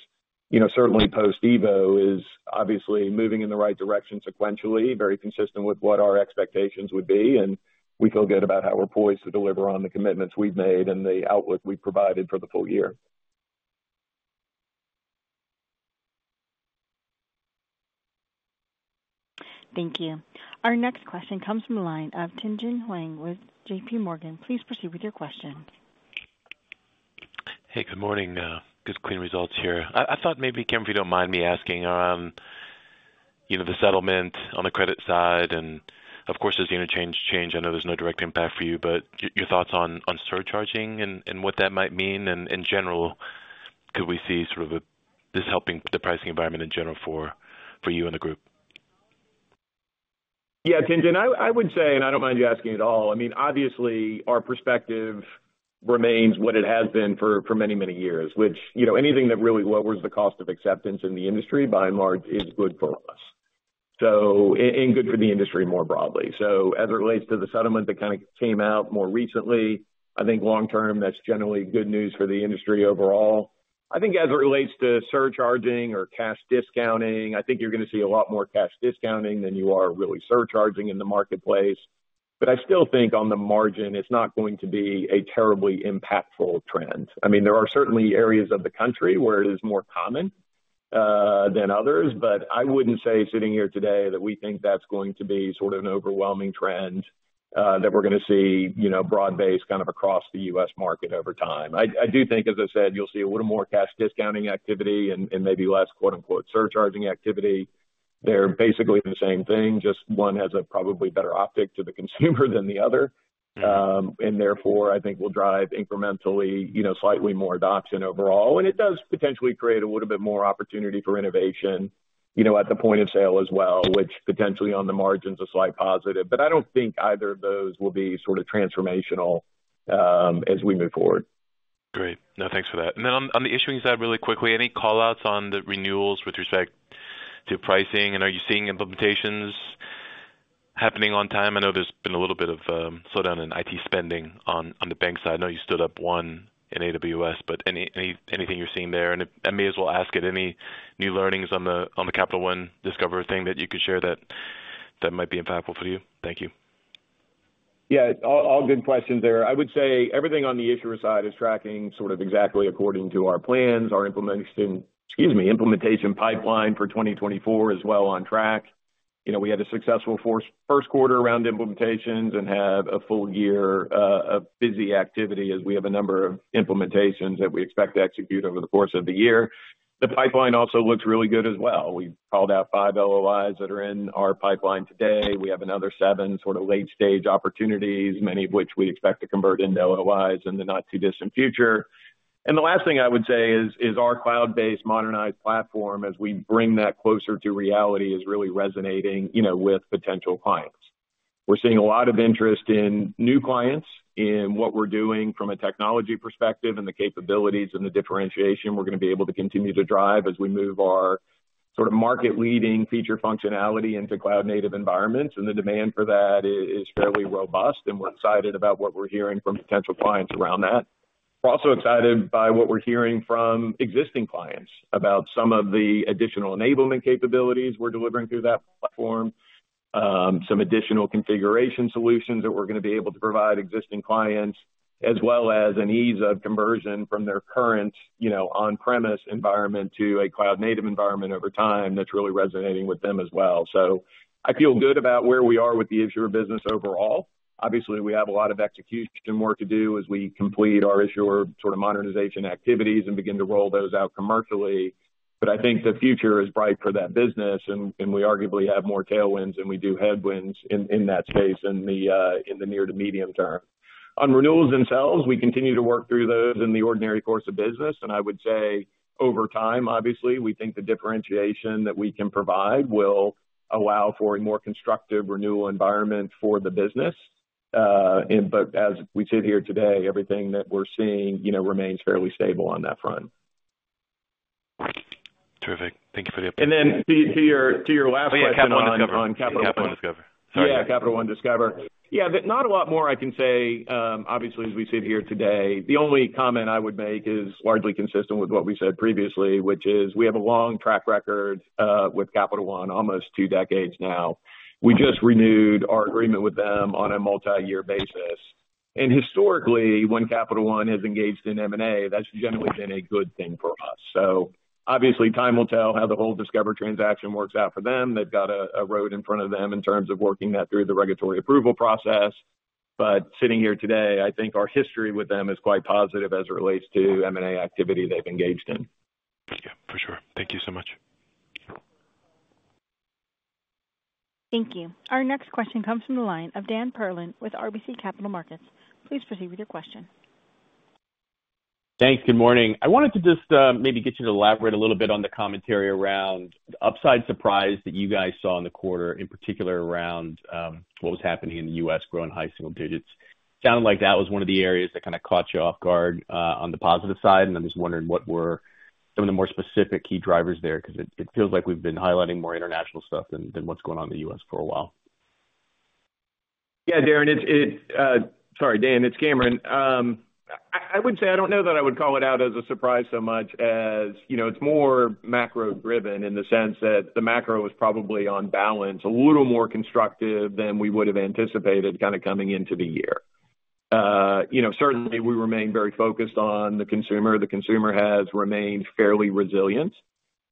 C: you know, certainly post-EVO is obviously moving in the right direction sequentially, very consistent with what our expectations would be. And we feel good about how we're poised to deliver on the commitments we've made and the outlook we've provided for the full year.
A: Thank you. Our next question comes from the line of Tien-Tsin Huang with J.P. Morgan. Please proceed with your question.
G: Hey, good morning. Good clean results here. I thought maybe, Cameron, if you don't mind me asking, you know, the settlement on the credit side and of course, as the interchange change, I know there's no direct impact for you, but your thoughts on surcharging and what that might mean and, in general, could we see sort of a this helping the pricing environment in general for you and the group?
C: Yeah, Tien-Tsin, I would say, and I don't mind you asking at all, I mean, obviously, our perspective remains what it has been for many, many years, which, you know, anything that really lowers the cost of acceptance in the industry, by and large, is good for us. So and good for the industry more broadly. So as it relates to the settlement that kind of came out more recently, I think long-term, that's generally good news for the industry overall. I think as it relates to surcharging or cash discounting, I think you're going to see a lot more cash discounting than you are really surcharging in the marketplace. But I still think on the margin, it's not going to be a terribly impactful trend. I mean, there are certainly areas of the country where it is more common than others. But I wouldn't say sitting here today that we think that's going to be sort of an overwhelming trend that we're going to see, you know, broad-based kind of across the U.S. market over time. I, I do think, as I said, you'll see a little more cash discounting activity and, and maybe less quote-unquote surcharging activity. They're basically the same thing, just one has a probably better optic to the consumer than the other. And therefore, I think we'll drive incrementally, you know, slightly more adoption overall. And it does potentially create a little bit more opportunity for innovation, you know, at the point of sale as well, which potentially on the margin's a slight positive. But I don't think either of those will be sort of transformational, as we move forward.
G: Great. No, thanks for that. And then on the issuing side really quickly, any callouts on the renewals with respect to pricing? And are you seeing implementations happening on time? I know there's been a little bit of slowdown in IT spending on the bank side. I know you stood up one in AWS. But any, anything you're seeing there? And if I may as well ask it, any new learnings on the Capital One Discover thing that you could share that might be impactful for you? Thank you.
C: Yeah, all good questions there. I would say everything on the issuer side is tracking sort of exactly according to our plans, our implementation, excuse me, implementation pipeline for 2024 as well on track. You know, we had a successful first quarter around implementations and have a full year of busy activity as we have a number of implementations that we expect to execute over the course of the year. The pipeline also looks really good as well. We've called out five LOIs that are in our pipeline today. We have another seven sort of late-stage opportunities, many of which we expect to convert into LOIs in the not-too-distant future. The last thing I would say is our cloud-based modernized platform as we bring that closer to reality is really resonating, you know, with potential clients. We're seeing a lot of interest in new clients, in what we're doing from a technology perspective and the capabilities and the differentiation we're going to be able to continue to drive as we move our sort of market-leading feature functionality into cloud-native environments. And the demand for that is fairly robust. And we're excited about what we're hearing from potential clients around that. We're also excited by what we're hearing from existing clients about some of the additional enablement capabilities we're delivering through that platform, some additional configuration solutions that we're going to be able to provide existing clients as well as an ease of conversion from their current, you know, on-premise environment to a cloud-native environment over time that's really resonating with them as well. So I feel good about where we are with the issuer business overall. Obviously, we have a lot of execution work to do as we complete our issuer sort of modernization activities and begin to roll those out commercially. But I think the future is bright for that business. And we arguably have more tailwinds than we do headwinds in that space in the near to medium term. On renewals themselves, we continue to work through those in the ordinary course of business. I would say over time, obviously, we think the differentiation that we can provide will allow for a more constructive renewal environment for the business. And but as we sit here today, everything that we're seeing, you know, remains fairly stable on that front.
G: Terrific. Thank you for the update. And then to your last question on Capital One Discover.
C: Sorry. Yeah, Capital One Discover. Yeah, not a lot more I can say, obviously, as we sit here today. The only comment I would make is largely consistent with what we said previously, which is we have a long track record with Capital One almost two decades now. We just renewed our agreement with them on a multi-year basis. And historically, when Capital One has engaged in M&A, that's generally been a good thing for us. So obviously, time will tell how the whole Discover transaction works out for them. They've got a road in front of them in terms of working that through the regulatory approval process. But sitting here today, I think our history with them is quite positive as it relates to M&A activity they've engaged in.
G: Yeah, for sure. Thank you so much.
A: Thank you. Our next question comes from the line of Dan Perlin with RBC Capital Markets. Please proceed with your question.
H: Thanks. Good morning. I wanted to just, maybe get you to elaborate a little bit on the commentary around the upside surprise that you guys saw in the quarter, in particular around, what was happening in the U.S. growing high single digits. Sounded like that was one of the areas that kind of caught you off guard, on the positive side. I'm just wondering what were some of the more specific key drivers there because it, it feels like we've been highlighting more international stuff than, than what's going on in the U.S. for a while.
C: Yeah, Darrin, it's, it's sorry, Dan. It's Cameron. I, I would say I don't know that I would call it out as a surprise so much as, you know, it's more macro-driven in the sense that the macro is probably on balance a little more constructive than we would have anticipated kind of coming into the year. You know, certainly, we remain very focused on the consumer. The consumer has remained fairly resilient,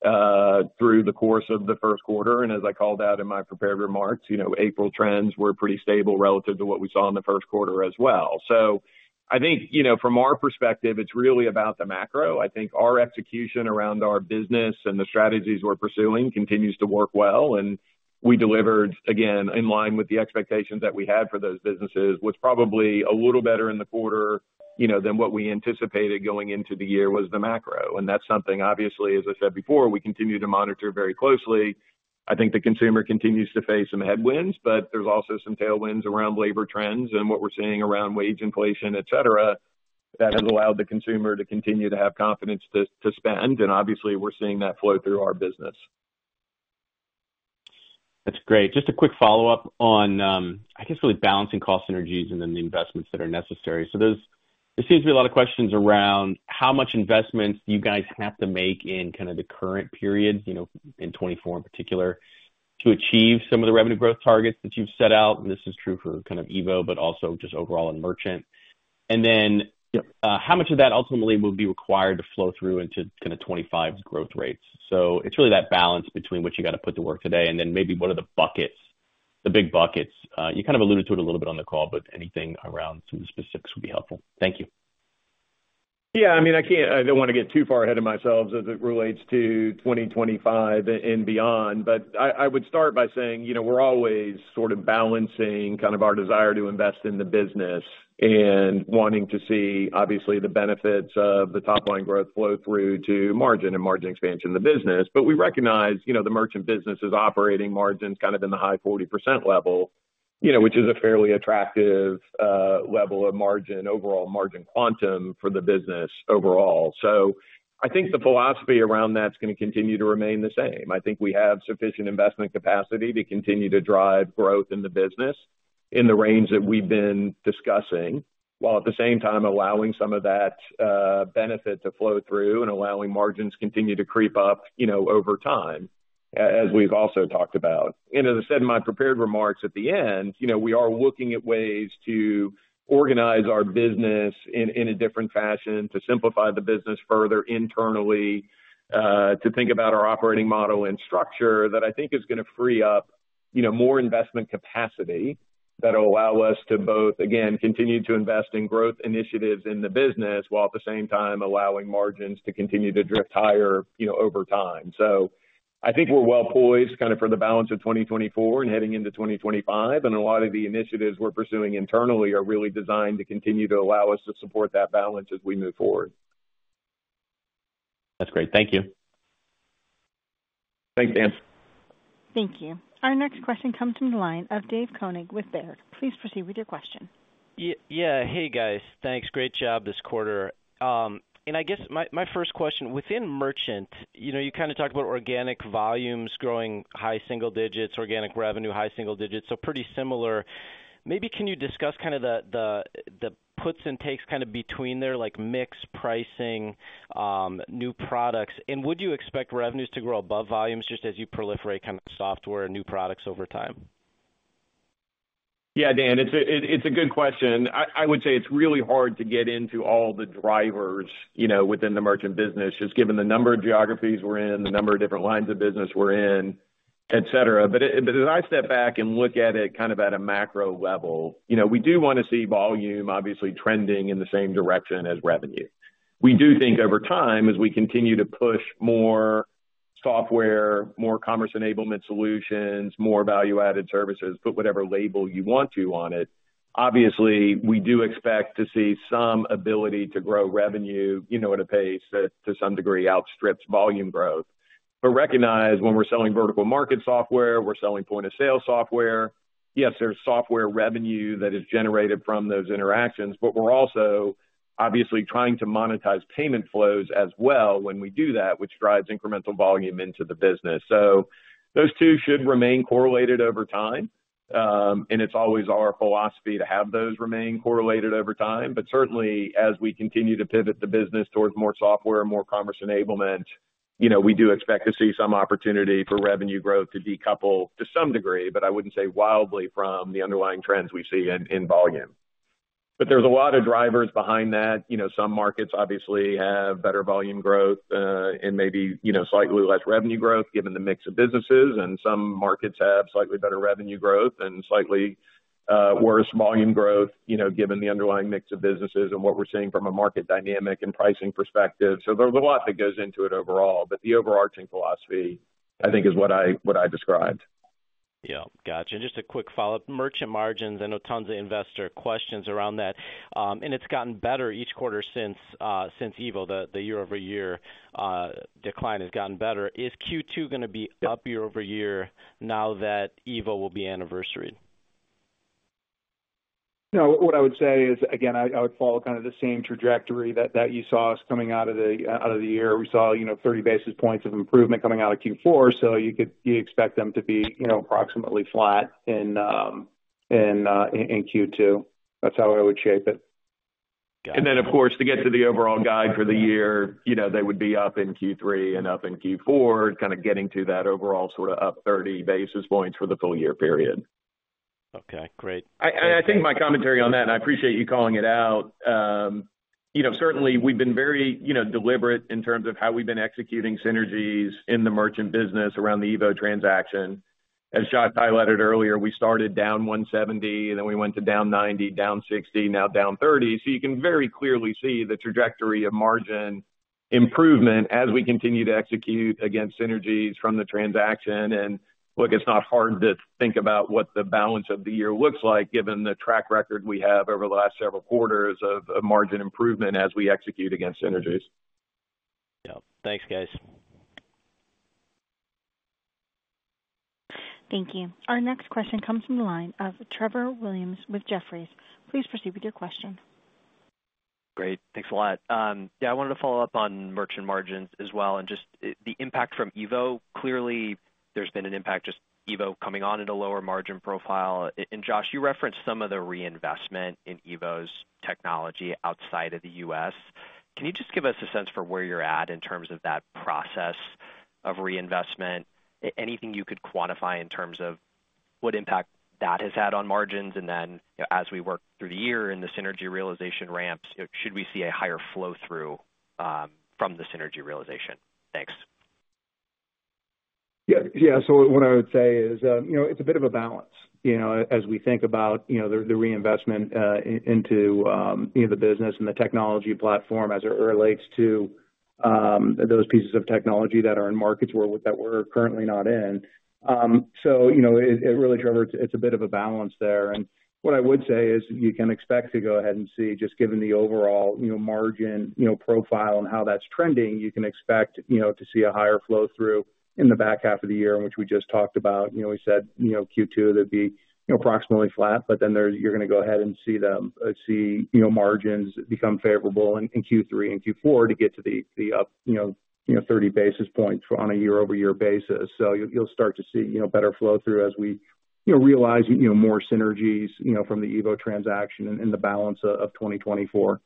C: through the course of the first quarter. And as I called out in my prepared remarks, you know, April trends were pretty stable relative to what we saw in the first quarter as well. So I think, you know, from our perspective, it's really about the macro. I think our execution around our business and the strategies we're pursuing continues to work well. And we delivered, again, in line with the expectations that we had for those businesses. What's probably a little better in the quarter, you know, than what we anticipated going into the year was the macro. And that's something, obviously, as I said before, we continue to monitor very closely. I think the consumer continues to face some headwinds. But there's also some tailwinds around labor trends and what we're seeing around wage inflation, etc. That has allowed the consumer to continue to have confidence to spend. And obviously, we're seeing that flow through our business.
H: That's great. Just a quick follow-up on, I guess, really balancing cost synergies and then the investments that are necessary. So there seems to be a lot of questions around how much investments you guys have to make in kind of the current periods, you know, in 2024 in particular, to achieve some of the revenue growth targets that you've set out. And this is true for kind of EVO but also just overall in merchant. And then, how much of that ultimately will be required to flow through into kind of 2025's growth rates? So it's really that balance between what you got to put to work today and then maybe what are the buckets, the big buckets. You kind of alluded to it a little bit on the call, but anything around some of the specifics would be helpful. Thank you.
C: Yeah, I mean, I don't want to get too far ahead of myself as it relates to 2025 and, and beyond. But I would start by saying, you know, we're always sort of balancing kind of our desire to invest in the business and wanting to see, obviously, the benefits of the top-line growth flow through to margin and margin expansion in the business. But we recognize, you know, the merchant business is operating margins kind of in the high 40% level, you know, which is a fairly attractive level of margin, overall margin quantum for the business overall. So I think the philosophy around that's going to continue to remain the same. I think we have sufficient investment capacity to continue to drive growth in the business in the range that we've been discussing while at the same time allowing some of that benefit to flow through and allowing margins continue to creep up, you know, over time, as we've also talked about. And as I said in my prepared remarks at the end, you know, we are looking at ways to organize our business in, in a different fashion, to simplify the business further internally, to think about our operating model and structure that I think is going to free up, you know, more investment capacity that'll allow us to both, again, continue to invest in growth initiatives in the business while at the same time allowing margins to continue to drift higher, you know, over time. So I think we're well poised kind of for the balance of 2024 and heading into 2025. And a lot of the initiatives we're pursuing internally are really designed to continue to allow us to support that balance as we move forward.
H: That's great. Thank you.
C: Thanks, Dan.
A: Thank you. Our next question comes from the line of David Koning with Baird. Please proceed with your question.
I: Yeah. Hey, guys. Thanks. Great job this quarter. I guess my first question, within merchant, you know, you kind of talked about organic volumes growing high single digits, organic revenue high single digits, so pretty similar. Maybe can you discuss kind of the puts and takes kind of between there, like mix pricing, new products? And would you expect revenues to grow above volumes just as you proliferate kind of software and new products over time?
C: Yeah, Dan. It's a good question. I would say it's really hard to get into all the drivers, you know, within the merchant business just given the number of geographies we're in, the number of different lines of business we're in, etc. But as I step back and look at it kind of at a macro level, you know, we do want to see volume, obviously, trending in the same direction as revenue. We do think over time, as we continue to push more software, more commerce enablement solutions, more value-added services, put whatever label you want to on it, obviously, we do expect to see some ability to grow revenue, you know, at a pace that to some degree outstrips volume growth. But recognize when we're selling vertical market software, we're selling point-of-sale software. Yes, there's software revenue that is generated from those interactions. But we're also, obviously, trying to monetize payment flows as well when we do that, which drives incremental volume into the business. So those two should remain correlated over time. And it's always our philosophy to have those remain correlated over time. But certainly, as we continue to pivot the business towards more software and more commerce enablement, you know, we do expect to see some opportunity for revenue growth to decouple to some degree, but I wouldn't say wildly, from the underlying trends we see in volume. But there's a lot of drivers behind that. You know, some markets, obviously, have better volume growth, and maybe, you know, slightly less revenue growth given the mix of businesses. And some markets have slightly better revenue growth and slightly worse volume growth, you know, given the underlying mix of businesses and what we're seeing from a market dynamic and pricing perspective. So there's a lot that goes into it overall. But the overarching philosophy, I think, is what I described.
I: Yep. Gotcha. And just a quick follow-up, merchant margins. I know tons of investor questions around that. And it's gotten better each quarter since EVO. The year-over-year decline has gotten better. Is Q2 going to be up year-over-year now that EVO will be anniversary?
C: No, what I would say is, again, I would follow kind of the same trajectory that you saw us coming out of the year. We saw, you know, 30 basis points of improvement coming out of Q4. So you could expect them to be, you know, approximately flat in Q2. That's how I would shape it. Gotcha. And then, of course, to get to the overall guide for the year, you know, they would be up in Q3 and up in Q4, kind of getting to that overall sort of up 30 basis points for the full year period.
I: Okay. Great.
C: I think my commentary on that and I appreciate you calling it out, you know, certainly, we've been very, you know, deliberate in terms of how we've been executing synergies in the merchant business around the EVO transaction. As Josh highlighted earlier, we started down $170. Then we went to down $90, down $60, now down $30. So you can very clearly see the trajectory of margin improvement as we continue to execute against synergies from the transaction. Look, it's not hard to think about what the balance of the year looks like given the track record we have over the last several quarters of margin improvement as we execute against synergies.
I: Yep. Thanks, guys.
A: Thank you. Our next question comes from the line of Trevor Williams with Jefferies. Please proceed with your question.
J: Great. Thanks a lot. Yeah, I wanted to follow up on merchant margins as well and just the impact from EVO. Clearly, there's been an impact, just EVO coming on at a lower margin profile. And Josh, you referenced some of the reinvestment in EVO's technology outside of the US. Can you just give us a sense for where you're at in terms of that process of reinvestment? Anything you could quantify in terms of what impact that has had on margins? And then, you know, as we work through the year and the synergy realization ramps, you know, should we see a higher flow-through from the synergy realization? Thanks.
D: So what I would say is, you know, it's a bit of a balance, you know, as we think about, you know, the reinvestment into, you know, the business and the technology platform as it relates to those pieces of technology that are in markets where we're currently not in. So, you know, it really, Trevor, it's a bit of a balance there. And what I would say is you can expect to go ahead and see just given the overall, you know, margin, you know, profile and how that's trending, you can expect, you know, to see a higher flow-through in the back half of the year in which we just talked about. You know, we said, you know, Q2, there'd be, you know, approximately flat. Then you're going to go ahead and see, you know, margins become favorable in Q3 and Q4 to get to the up, you know, 30 basis points on a year-over-year basis. So you'll start to see, you know, better flow-through as we, you know, realize, you know, more synergies, you know, from the EVO transaction and the balance of 2024.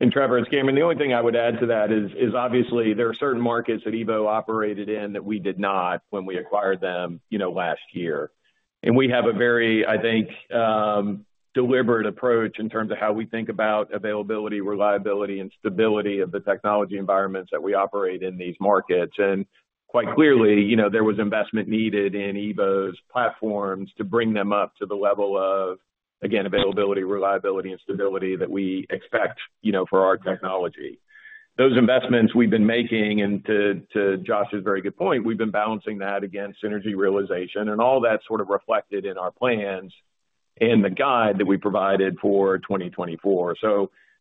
C: And Trevor, it's Cameron. The only thing I would add to that is obviously there are certain markets that EVO operated in that we did not when we acquired them, you know, last year. And we have a very, I think, deliberate approach in terms of how we think about availability, reliability, and stability of the technology environments that we operate in these markets. Quite clearly, you know, there was investment needed in EVO's platforms to bring them up to the level of, again, availability, reliability, and stability that we expect, you know, for our technology. Those investments we've been making and to, to Josh's very good point, we've been balancing that against synergy realization. All that's sort of reflected in our plans and the guide that we provided for 2024.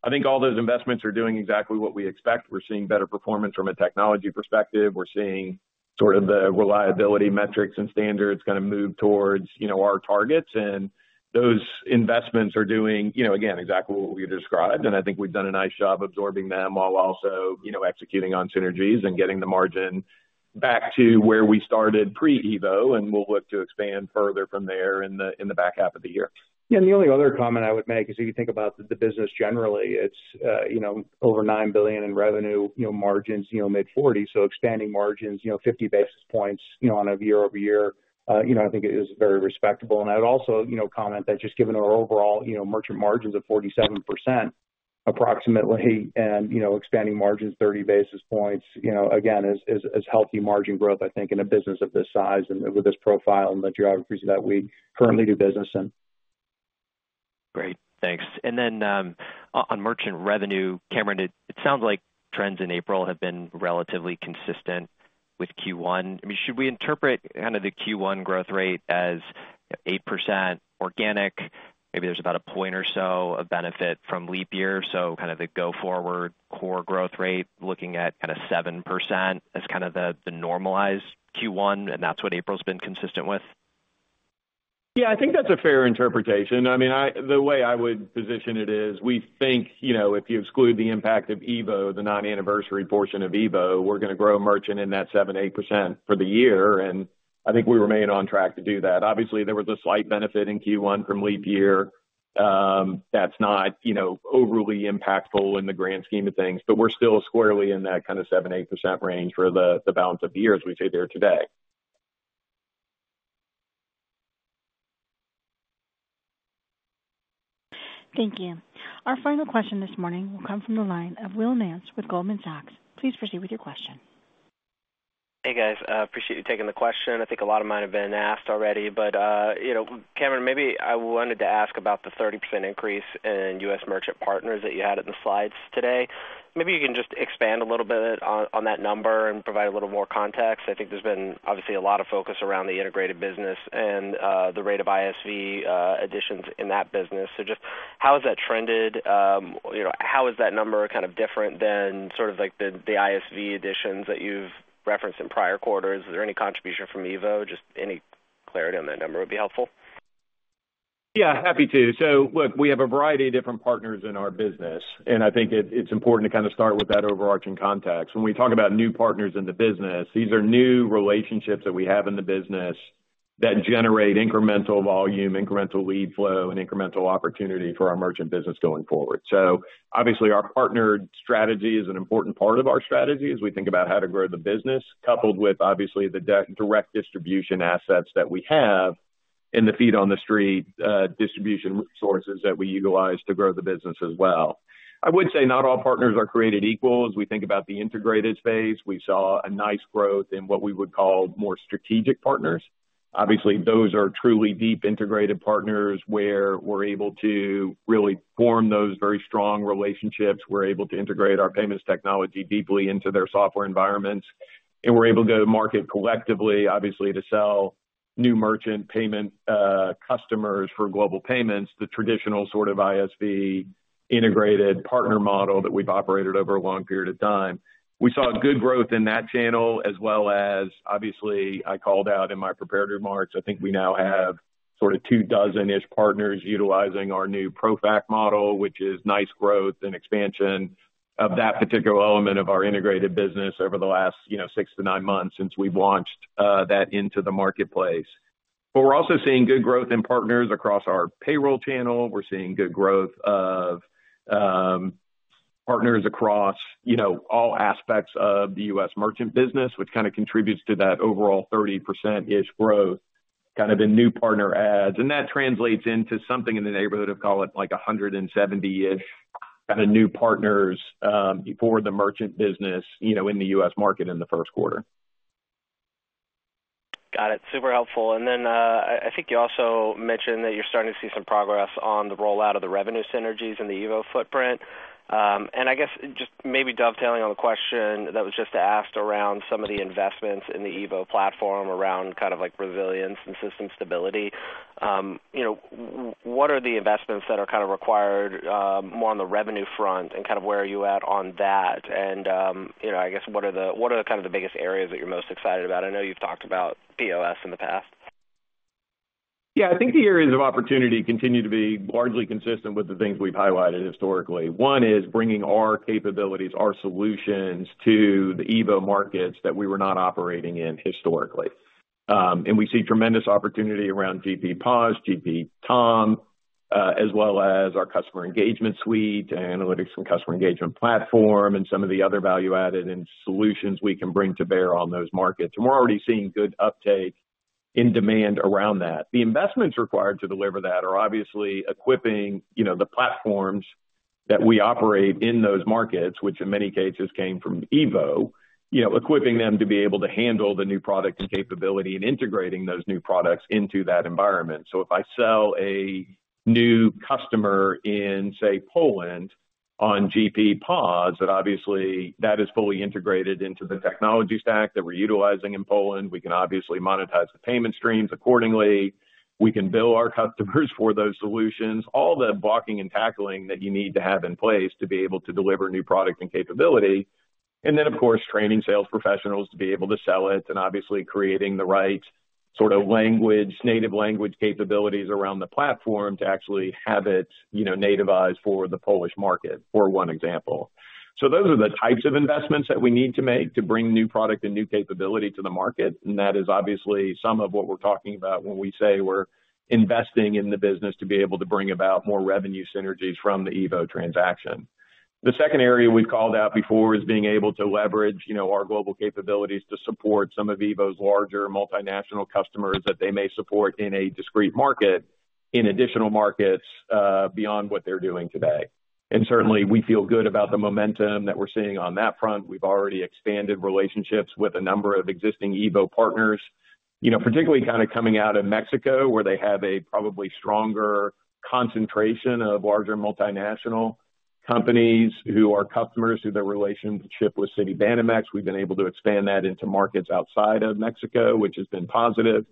C: I think all those investments are doing exactly what we expect. We're seeing better performance from a technology perspective. We're seeing sort of the reliability metrics and standards kind of move towards, you know, our targets. Those investments are doing, you know, again, exactly what we've described. I think we've done a nice job absorbing them while also, you know, executing on synergies and getting the margin back to where we started pre-EVO. We'll look to expand further from there in the back half of the year.
D: Yeah. And the only other comment I would make is if you think about the business generally, it's, you know, over $9 billion in revenue, you know, margins, you know, mid-40. So expanding margins, you know, 50 basis points, you know, on a year-over-year, you know, I think it is very respectable. And I would also, you know, comment that just given our overall, you know, merchant margins of approximately 47%, and, you know, expanding margins 30 basis points, you know, again, is healthy margin growth, I think, in a business of this size and with this profile and the geographies that we currently do business in.
J: Great. Thanks. And then, on merchant revenue, Cameron, it sounds like trends in April have been relatively consistent with Q1. I mean, should we interpret kind of the Q1 growth rate as 8% organic? Maybe there's about a point or so of benefit from leap year. So kind of the go-forward core growth rate looking at kind of 7% as kind of the, the normalized Q1. And that's what April's been consistent with?
C: Yeah. I think that's a fair interpretation. I mean, the way I would position it is we think, you know, if you exclude the impact of EVO, the non-anniversary portion of EVO, we're going to grow merchant in that 7% to 8% for the year. And I think we remain on track to do that. Obviously, there was a slight benefit in Q1 from leap year. That's not, you know, overly impactful in the grand scheme of things. But we're still squarely in that kind of 7% to 8% range for the balance of year as we sit there today.
A: Thank you. Our final question this morning will come from the line of Will Nance with Goldman Sachs. Please proceed with your question.
K: Hey, guys. I appreciate you taking the question. I think a lot of mine have been asked already. But, you know, Cameron, maybe I wanted to ask about the 30% increase in U.S. merchant partners that you had in the slides today. Maybe you can just expand a little bit on that number and provide a little more context. I think there's been, obviously, a lot of focus around the integrated business and the rate of ISV additions in that business. So just how has that trended? You know, how is that number kind of different than sort of, like, the, the ISV additions that you've referenced in prior quarters? Is there any contribution from EVO? Just any clarity on that number would be helpful.
C: Yeah. Happy to. So look, we have a variety of different partners in our business. And I think it's important to kind of start with that overarching context. When we talk about new partners in the business, these are new relationships that we have in the business that generate incremental volume, incremental lead flow, and incremental opportunity for our merchant business going forward. So obviously, our partnered strategy is an important part of our strategy as we think about how to grow the business coupled with, obviously, the direct distribution assets that we have and the feet-on-the-street, distribution resources that we utilize to grow the business as well. I would say not all partners are created equal. As we think about the integrated space, we saw a nice growth in what we would call more strategic partners. Obviously, those are truly deep integrated partners where we're able to really form those very strong relationships. We're able to integrate our payments technology deeply into their software environments. And we're able to go to market collectively, obviously, to sell new merchant payment, customers for Global Payments, the traditional sort of ISV integrated partner model that we've operated over a long period of time. We saw good growth in that channel as well as, obviously, I called out in my prepared remarks. I think we now have sort of 24-ish partners utilizing our new PayFac model, which is nice growth and expansion of that particular element of our integrated business over the last, you know, six to nine months since we've launched that into the marketplace. But we're also seeing good growth in partners across our payroll channel. We're seeing good growth of partners across, you know, all aspects of the U.S. merchant business, which kind of contributes to that overall 30%-ish growth kind of in new partner adds. And that translates into something in the neighborhood of, call it, like, 170-ish kind of new partners for the merchant business, you know, in the U.S. market in the first quarter.
K: Got it. Super helpful. And then, I, I think you also mentioned that you're starting to see some progress on the rollout of the revenue synergies in the EVO footprint. And I guess just maybe dovetailing on the question that was just asked around some of the investments in the EVO platform around kind of, like, resilience and system stability, you know, what are the investments that are kind of required, more on the revenue front? And kind of where are you at on that? And, you know, I guess what are the what are kind of the biggest areas that you're most excited about? I know you've talked about POS in the past.
C: Yeah. I think the areas of opportunity continue to be largely consistent with the things we've highlighted historically. One is bringing our capabilities, our solutions to the EVO markets that we were not operating in historically and we see tremendous opportunity around GP POS, GP Tom, as well as our Customer Engagement Suite and analytics and customer engagement platform and some of the other value-added and solutions we can bring to bear on those markets. And we're already seeing good uptake in demand around that. The investments required to deliver that are obviously equipping, you know, the platforms that we operate in those markets, which in many cases came from EVO, you know, equipping them to be able to handle the new product and capability and integrating those new products into that environment. So if I sell a new customer in, say, Poland on GP POS, then obviously, that is fully integrated into the technology stack that we're utilizing in Poland. We can obviously monetize the payment streams accordingly. We can bill our customers for those solutions, all the blocking and tackling that you need to have in place to be able to deliver new product and capability. And then, of course, training sales professionals to be able to sell it and obviously creating the right sort of language, native language capabilities around the platform to actually have it, you know, nativized for the Polish market for one example. So those are the types of investments that we need to make to bring new product and new capability to the market. And that is obviously some of what we're talking about when we say we're investing in the business to be able to bring about more revenue synergies from the EVO transaction. The second area we've called out before is being able to leverage, you know, our global capabilities to support some of EVO's larger multinational customers that they may support in a discrete market, in additional markets, beyond what they're doing today. Certainly, we feel good about the momentum that we're seeing on that front. We've already expanded relationships with a number of existing EVO partners, you know, particularly kind of coming out of Mexico where they have a probably stronger concentration of larger multinational companies who are customers through their relationship with Citibanamex. We've been able to expand that into markets outside of Mexico, which has been positive.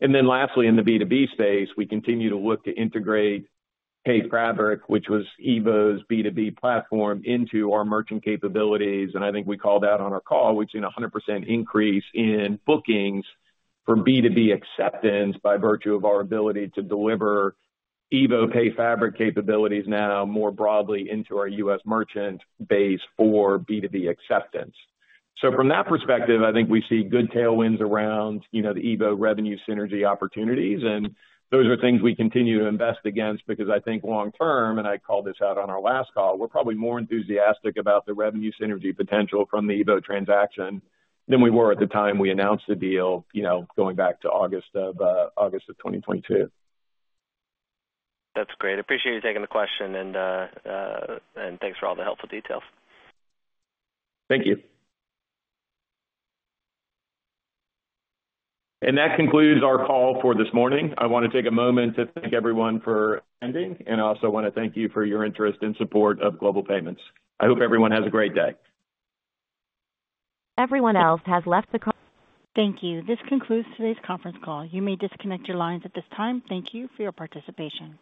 C: Then lastly, in the B2B space, we continue to look to integrate PayFabric, which was EVO's B2B platform, into our merchant capabilities. And I think we called out on our call, we've seen a 100% increase in bookings for B2B acceptance by virtue of our ability to deliver EVO PayFabric capabilities now more broadly into our U.S. merchant base for B2B acceptance. So from that perspective, I think we see good tailwinds around, you know, the EVO revenue synergy opportunities. And those are things we continue to invest against because I think long-term, and I called this out on our last call, we're probably more enthusiastic about the revenue synergy potential from the EVO transaction than we were at the time we announced the deal, you know, going back to August of, August of 2022.
K: That's great. Appreciate you taking the question. And, and thanks for all the helpful details.
C: Thank you. And that concludes our call for this morning. I want to take a moment to thank everyone for attending. I also want to thank you for your interest and support of Global Payments. I hope everyone has a great day. Everyone else has left the con.
A: Thank you. This concludes today's conference call. You may disconnect your lines at this time. Thank you for your participation.